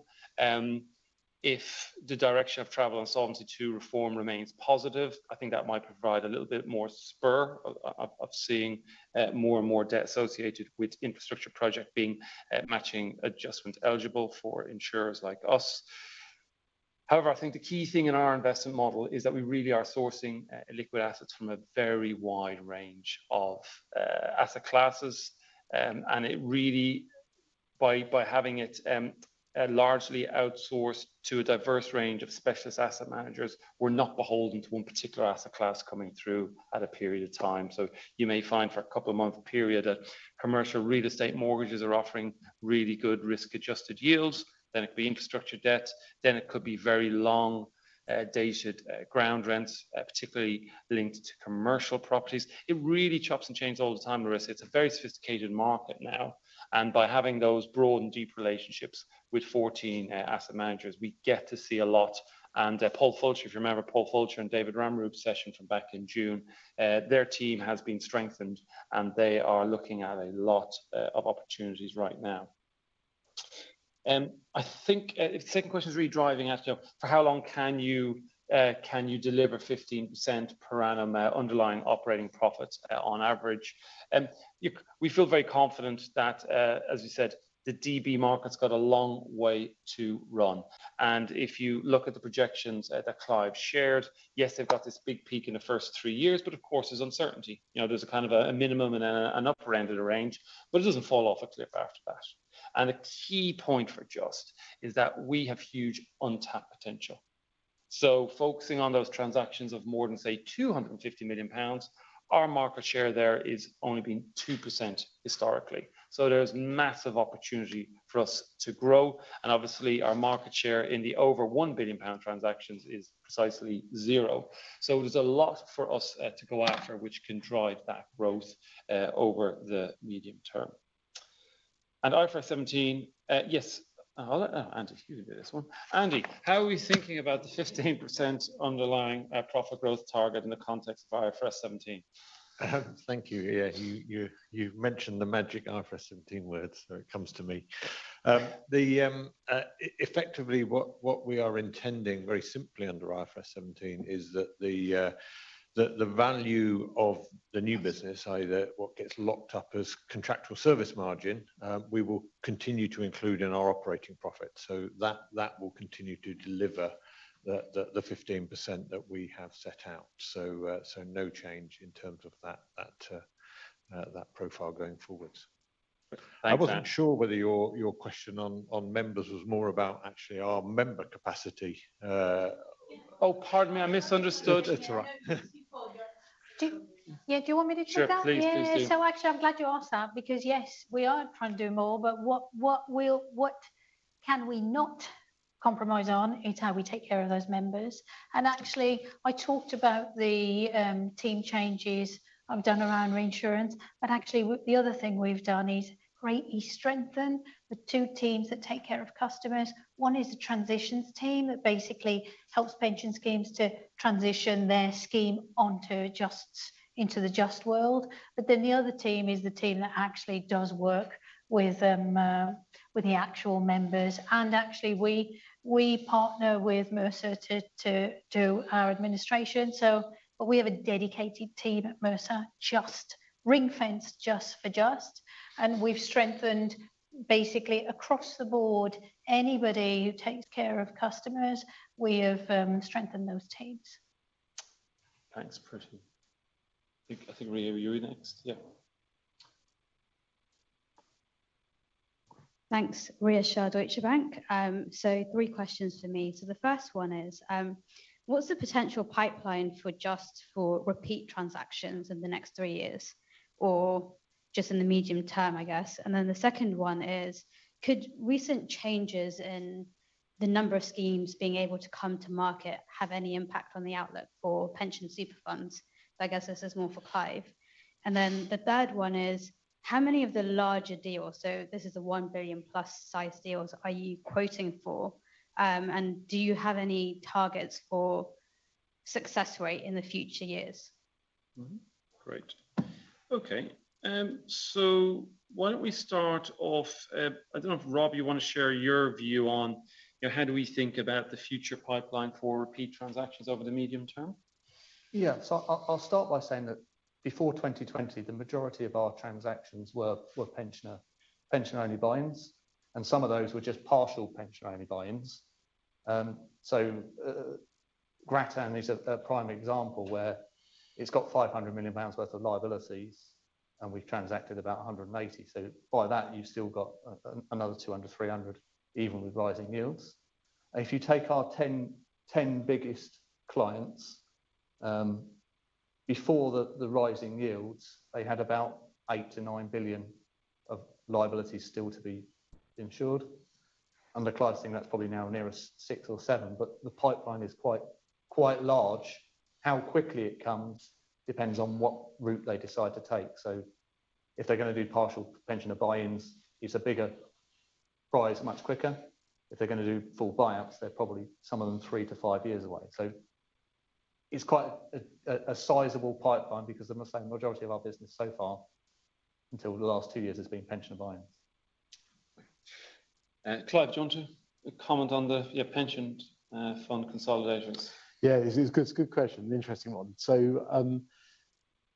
If the direction of travel Solvency II reform remains positive, I think that might provide a little bit more spur of seeing more and more debt associated with infrastructure project being matching adjustment eligible for insurers like us. However, I think the key thing in our investment model is that we really are sourcing illiquid assets from a very wide range of asset classes. It really, by having it largely outsourced to a diverse range of specialist asset managers, we're not beholden to one particular asset class coming through at a period of time. You may find for a couple of month period that commercial real estate mortgages are offering really good risk-adjusted yields, then it could be infrastructure debt, then it could be very long dated ground rents, particularly linked to commercial properties. It really chops and changes all the time, Larissa. It's a very sophisticated market now. By having those broad and deep relationships with 14 asset managers, we get to see a lot. Paul Fulcher, if you remember Paul Fulcher and David Ramroop session from back in June, their team has been strengthened, and they are looking at a lot of opportunities right now. I think the second question is really driving at, you know, for how long can you deliver 15% per annum underlying operating profits on average? We feel very confident that, as you said, the DB market's got a long way to run. If you look at the projections that Clive shared, yes, they've got this big peak in the first three years, but of course there's uncertainty. You know, there's a kind of a minimum and an upper end of the range, but it doesn't fall off a cliff after that. A key point for Just is that we have huge untapped potential. Focusing on those transactions of more than, say, 250 million pounds, our market share there has only been 2% historically. There's massive opportunity for us to grow, and obviously our market share in the over 1 billion pound transactions is precisely zero. There's a lot for us to go after which can drive that growth over the medium term. IFRS 17, yes. I'll let Andy, if you could do this one. Andy, how are we thinking about the 15% underlying profit growth target in the context of IFRS 17? Thank you. Yeah, you've mentioned the magic IFRS 17 words, so it comes to me. Effectively, what we are intending very simply under IFRS 17 is that the value of the new business, either what gets locked up as contractual service margin, we will continue to include in our operating profit. That will continue to deliver the 15% that we have set out. No change in terms of that profile going forward. Thanks, Andy. I wasn't sure whether your question on members was more about actually our member capacity. Yeah. Oh, pardon me. I misunderstood. It's all right. Yeah, no, it's your fault. Yeah, do you want me to take that? Sure. Please do. Yeah. Actually, I'm glad you asked that because, yes, we are trying to do more, but what we cannot compromise on is how we take care of those members. Actually, I talked about the team changes I've done around reinsurance, but actually the other thing we've done is greatly strengthen the two teams that take care of customers. One is the transitions team that basically helps pension schemes to transition their scheme into the Just world. Actually, the other team is the team that actually does work with the actual members. Actually, we partner with Mercer to our administration. We have a dedicated team at Mercer, just ring-fenced for Just. We've strengthened basically across the board anybody who takes care of customers. We have strengthened those teams. Thanks, Pretty. I think, Rhea, you were next. Yeah. Thanks. Rhea Shah, Deutsche Bank. Three questions for me. The first one is, what's the potential pipeline for Just for repeat transactions in the next three years or just in the medium term, I guess? The second one is, could recent changes in the number of schemes being able to come to market have any impact on the outlook for pension super funds? I guess this is more for Clive. The third one is, how many of the larger deals, so this is the 1 billion-plus size deals, are you quoting for, and do you have any targets for success rate in the future years? Why don't we start off, I don't know if, Rob, you wanna share your view on, you know, how do we think about the future pipeline for repeat transactions over the medium term? Yeah. I'll start by saying that before 2020, the majority of our transactions were pensioner pension-only buy-ins, and some of those were just partial pension-only buy-ins. Grattan is a prime example where it's got 500 million pounds worth of liabilities, and we've transacted about 180. By that, you've still got another 200, 300, even with rising yields. If you take our 10 biggest clients before the rising yields, they had about 8 billion-9 billion of liabilities still to be insured. Under Clive's thing, that's probably now nearer six or seven, but the pipeline is quite large. How quickly it comes depends on what route they decide to take. If they're gonna do partial pensioner buy-ins, it's a bigger prize much quicker. If they're gonna do full buyouts, they're probably, some of them, three to five years away. It's quite a sizable pipeline because, I must say, majority of our business so far, until the last two years, has been pensioner buy-ins. Clive, do you want to comment on the, yeah, pension fund consolidations? Yeah. It's a good question. Interesting one.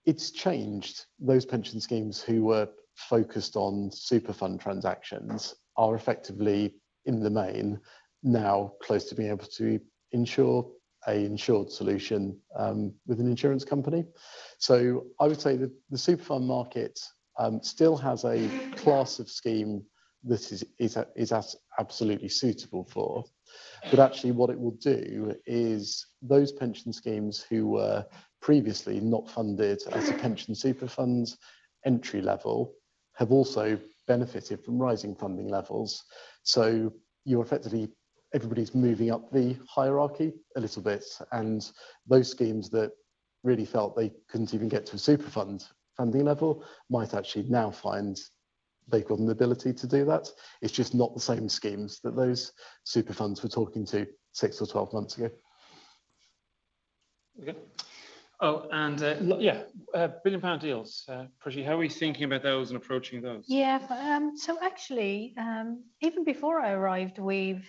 It's changed. Those pension schemes who were focused on super fund transactions are effectively, in the main, now close to being able to insure an insured solution with an insurance company. I would say the super fund market still has a class of scheme that is absolutely suitable for. Actually what it will do is those pension schemes who were previously not funded as a pension super fund entry level have also benefited from rising funding levels. You're effectively everybody's moving up the hierarchy a little bit, and those schemes that really felt they couldn't even get to a super fund funding level might actually now find they've got an ability to do that. It's just not the same schemes that those super funds were talking to 6 or 12 months ago. Okay. Oh, yeah, billion-pound deals. Pretty Sagoo, how are we thinking about those and approaching those? Yeah. Actually, even before I arrived, we'd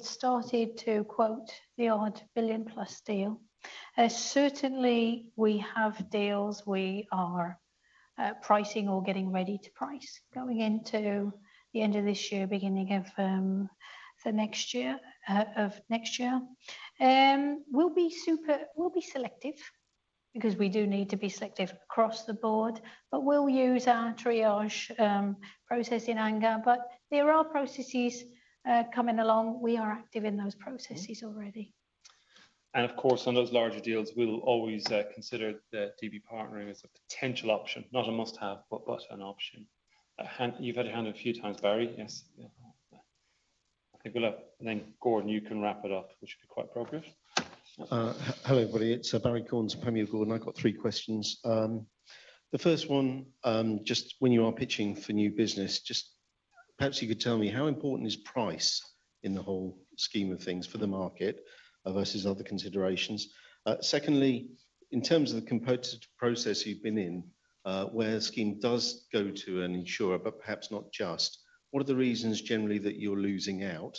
started to quote the odd billion-plus deal. Certainly we have deals we are pricing or getting ready to price going into the end of this year, beginning of next year. We'll be selective because we do need to be selective across the board, but we'll use our triage process in anger. There are processes coming along. We are active in those processes already. Mm-hmm. Of course, on those larger deals, we'll always consider the DB partnering as a potential option. Not a must-have, but an option. You've had a hand up a few times, Barrie. Yes. Yeah. Okay. Then Gordon, you can wrap it up, which would be quite progress. Hello, everybody. It's Barrie Cornes, Panmure Gordon. I've got three questions. The first one, just when you are pitching for new business, just perhaps you could tell me how important is price in the whole scheme of things for the market, versus other considerations? Secondly, in terms of the competitive process you've been in, where a scheme does go to an insurer but perhaps not Just, what are the reasons generally that you're losing out?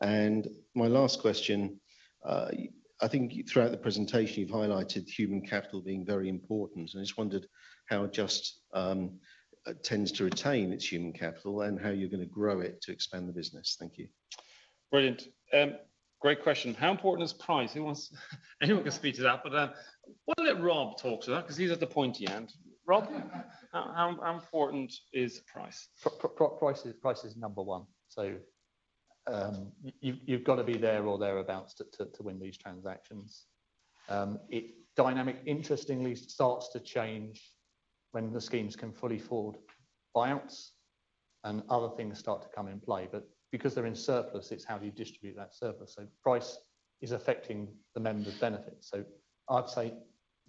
My last question, I think throughout the presentation you've highlighted human capital being very important, and I just wondered how Just tends to retain its human capital and how you're gonna grow it to expand the business. Thank you. Brilliant. Great question. How important is price? Anyone can speak to that, but why don't we let Rob talk to that 'cause he's at the pointy end. Rob, how important is price? Price is number one. You've gotta be there or thereabouts to win these transactions. The dynamic interestingly starts to change when the schemes can fully afford buyouts and other things start to come in play. Because they're in surplus, it's how do you distribute that surplus? Price is affecting the members' benefits. I'd say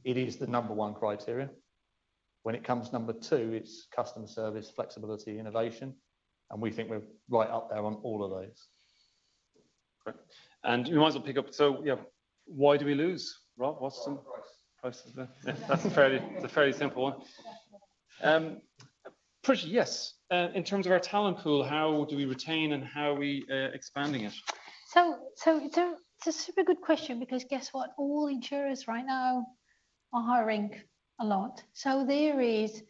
it is the number one criteria. When it comes to number two, it's customer service, flexibility, innovation, and we think we're right up there on all of those. Great. We might as well pick up. Yeah, why do we lose, Rob? What's the- Price. That's a fairly simple one. Pretty, yes, in terms of our talent pool, how do we retain and how are we expanding it? It's a super good question because guess what? All insurers right now are hiring a lot. There is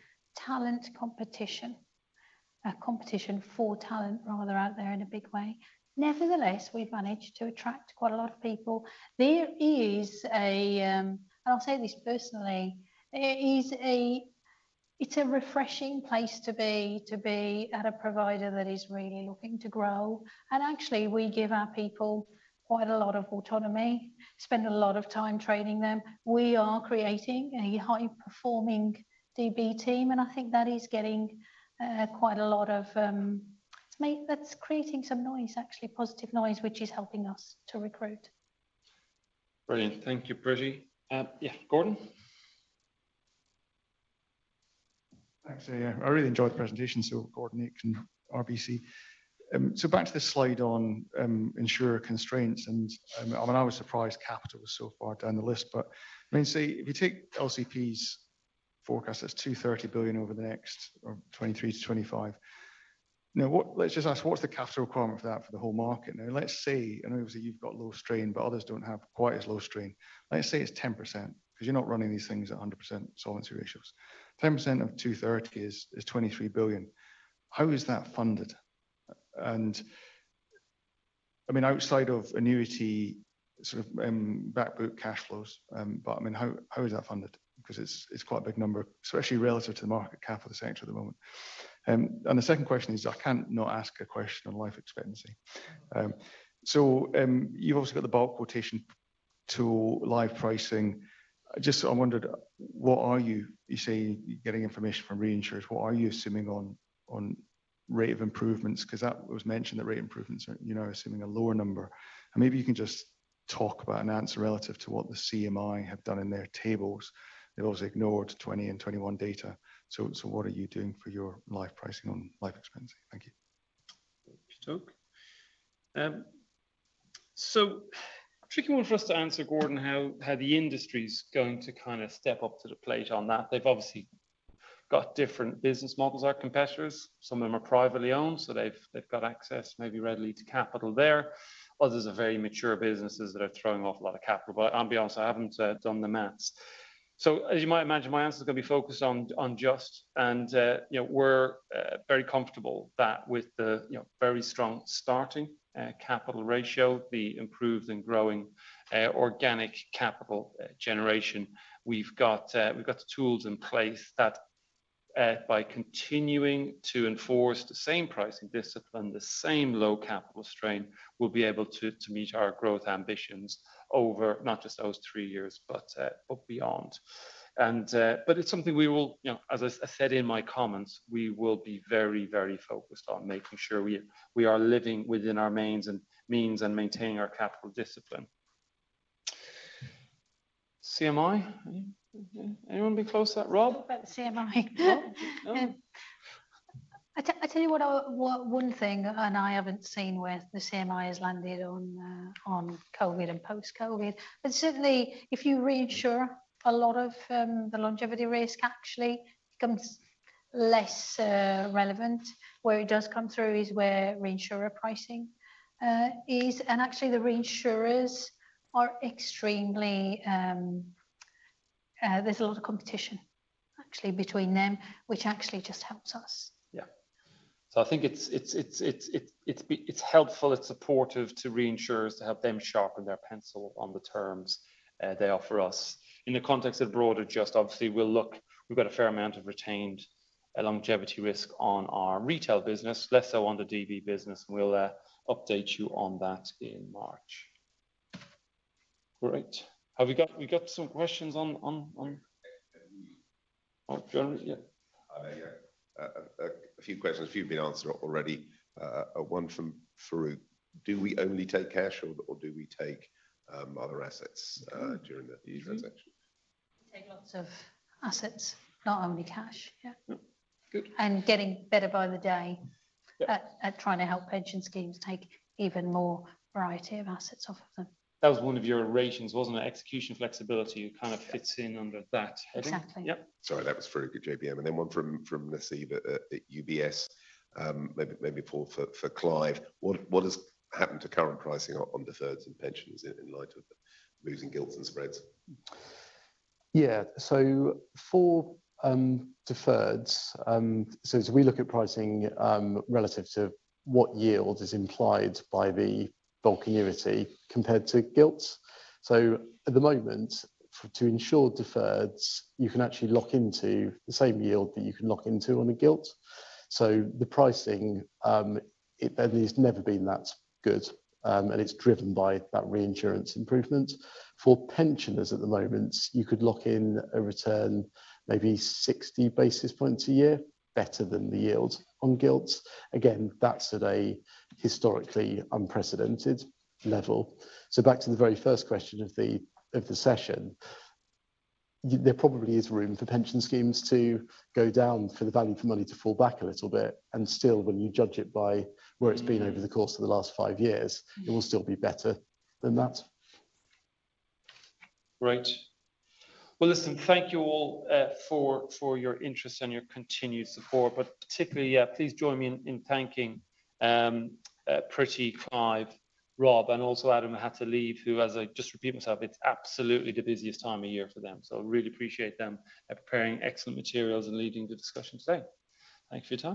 a competition for talent rather out there in a big way. Nevertheless, we've managed to attract quite a lot of people. I'll say this personally, it's a refreshing place to be at a provider that is really looking to grow. Actually, we give our people quite a lot of autonomy, spend a lot of time training them. We are creating a high-performing DB team, and I think that is creating some noise actually, positive noise which is helping us to recruit. Brilliant. Thank you, Pretty. Yeah, Gordon? Thanks. Yeah, I really enjoyed the presentation, Gordon Nixon, RBC. Back to the slide on insurer constraints, I mean, I was surprised capital was so far down the list. I mean, say, if you take LCP's forecast, that's 230 billion over the next, or 2023 to 2025. Let's just ask, what's the capital requirement for that for the whole market now? Let's say, and obviously you've got low strain, but others don't have quite as low strain. Let's say it's 10%, 'cause you're not running these things at 100% solvency ratios. 10% of 230 is 23 billion. How is that funded? I mean, outside of annuity, sort of, back book cash flows, but I mean, how is that funded? Because it's quite a big number, especially relative to the market cap of the sector at the moment. The second question is, I can't not ask a question on life expectancy. You've obviously got the bulk quotation tool, live pricing. Just, I wondered, what are you? You say you're getting information from reinsurers. What are you assuming on rate of improvements? 'Cause that was mentioned that rate improvements are, you know, assuming a lower number. Maybe you can just talk about an answer relative to what the CMI have done in their tables. They've obviously ignored 2020 and 2021 data. What are you doing for your live pricing on life expectancy? Thank you. Okey-doke. Tricky one for us to answer, Gordon, how the industry's going to kind of step up to the plate on that. They've obviously got different business models, our competitors. Some of them are privately owned, so they've got access maybe readily to capital there. Others are very mature businesses that are throwing off a lot of capital. I'll be honest, I haven't done the math. As you might imagine, my answer's gonna be focused on Just. you know, we're very comfortable that with the, you know, very strong starting capital ratio, the improved and growing organic capital generation, we've got the tools in place that by continuing to enforce the same pricing discipline, the same low capital strain, we'll be able to meet our growth ambitions over not just those three years but beyond. but it's something we will, you know, as I said in my comments, we will be very, very focused on making sure we are living within our means and maintaining our capital discipline. CMI? Anyone be close to that? Rob? Talk about CMI. No. No. I tell you what, one thing, and I haven't seen where the CMI has landed on COVID and post-COVID, but certainly if you reinsure a lot of the longevity risk actually becomes less relevant. Where it does come through is where reinsurer pricing is. Actually there's a lot of competition actually between them, which actually just helps us. Yeah. I think it's helpful, it's supportive to reinsurers to help them sharpen their pencil on the terms they offer us. In the context of broader, Just obviously will look. We've got a fair amount of retained longevity risk on our retail business, less so on the DB business, and we'll update you on that in March. Great. Have we got some questions on. Yeah. In general, yeah. Yeah. A few questions. A few have been answered already. One from Farouk. Do we only take cash or do we take other assets during the transaction? We take lots of assets, not only cash. Yeah. Yep. Good. Getting better by the day. Yeah At trying to help pension schemes take even more variety of assets off of them. That was one of your ratios, wasn't it? Execution flexibility kind of fits in under that heading. Exactly. Yep. Sorry, that was Farouk at JPM. Then one from Naseeb at UBS, maybe Paul for Clive. What has happened to current pricing on deferreds and pensions in light of moves in gilts and spreads? For deferreds, we look at pricing relative to what yield is implied by the bulk annuity compared to gilts. At the moment, to insure deferreds, you can actually lock into the same yield that you can lock into on a gilt. The pricing, it's never been that good, and it's driven by that reinsurance improvement. For pensioners at the moment, you could lock in a return maybe 60 basis points a year better than the yield on gilts. Again, that's at a historically unprecedented level. Back to the very first question of the session, there probably is room for pension schemes to go down for the value for money to fall back a little bit and still, when you judge it by where it's been over the course of the last five years, it will still be better than that. Great. Well, listen, thank you all for your interest and your continued support. Particularly, please join me in thanking Pretty, Clive, Rob, and also Adam, who had to leave, as I just repeat myself, it's absolutely the busiest time of year for them. Really appreciate them for preparing excellent materials and leading the discussion today. Thank you for your time.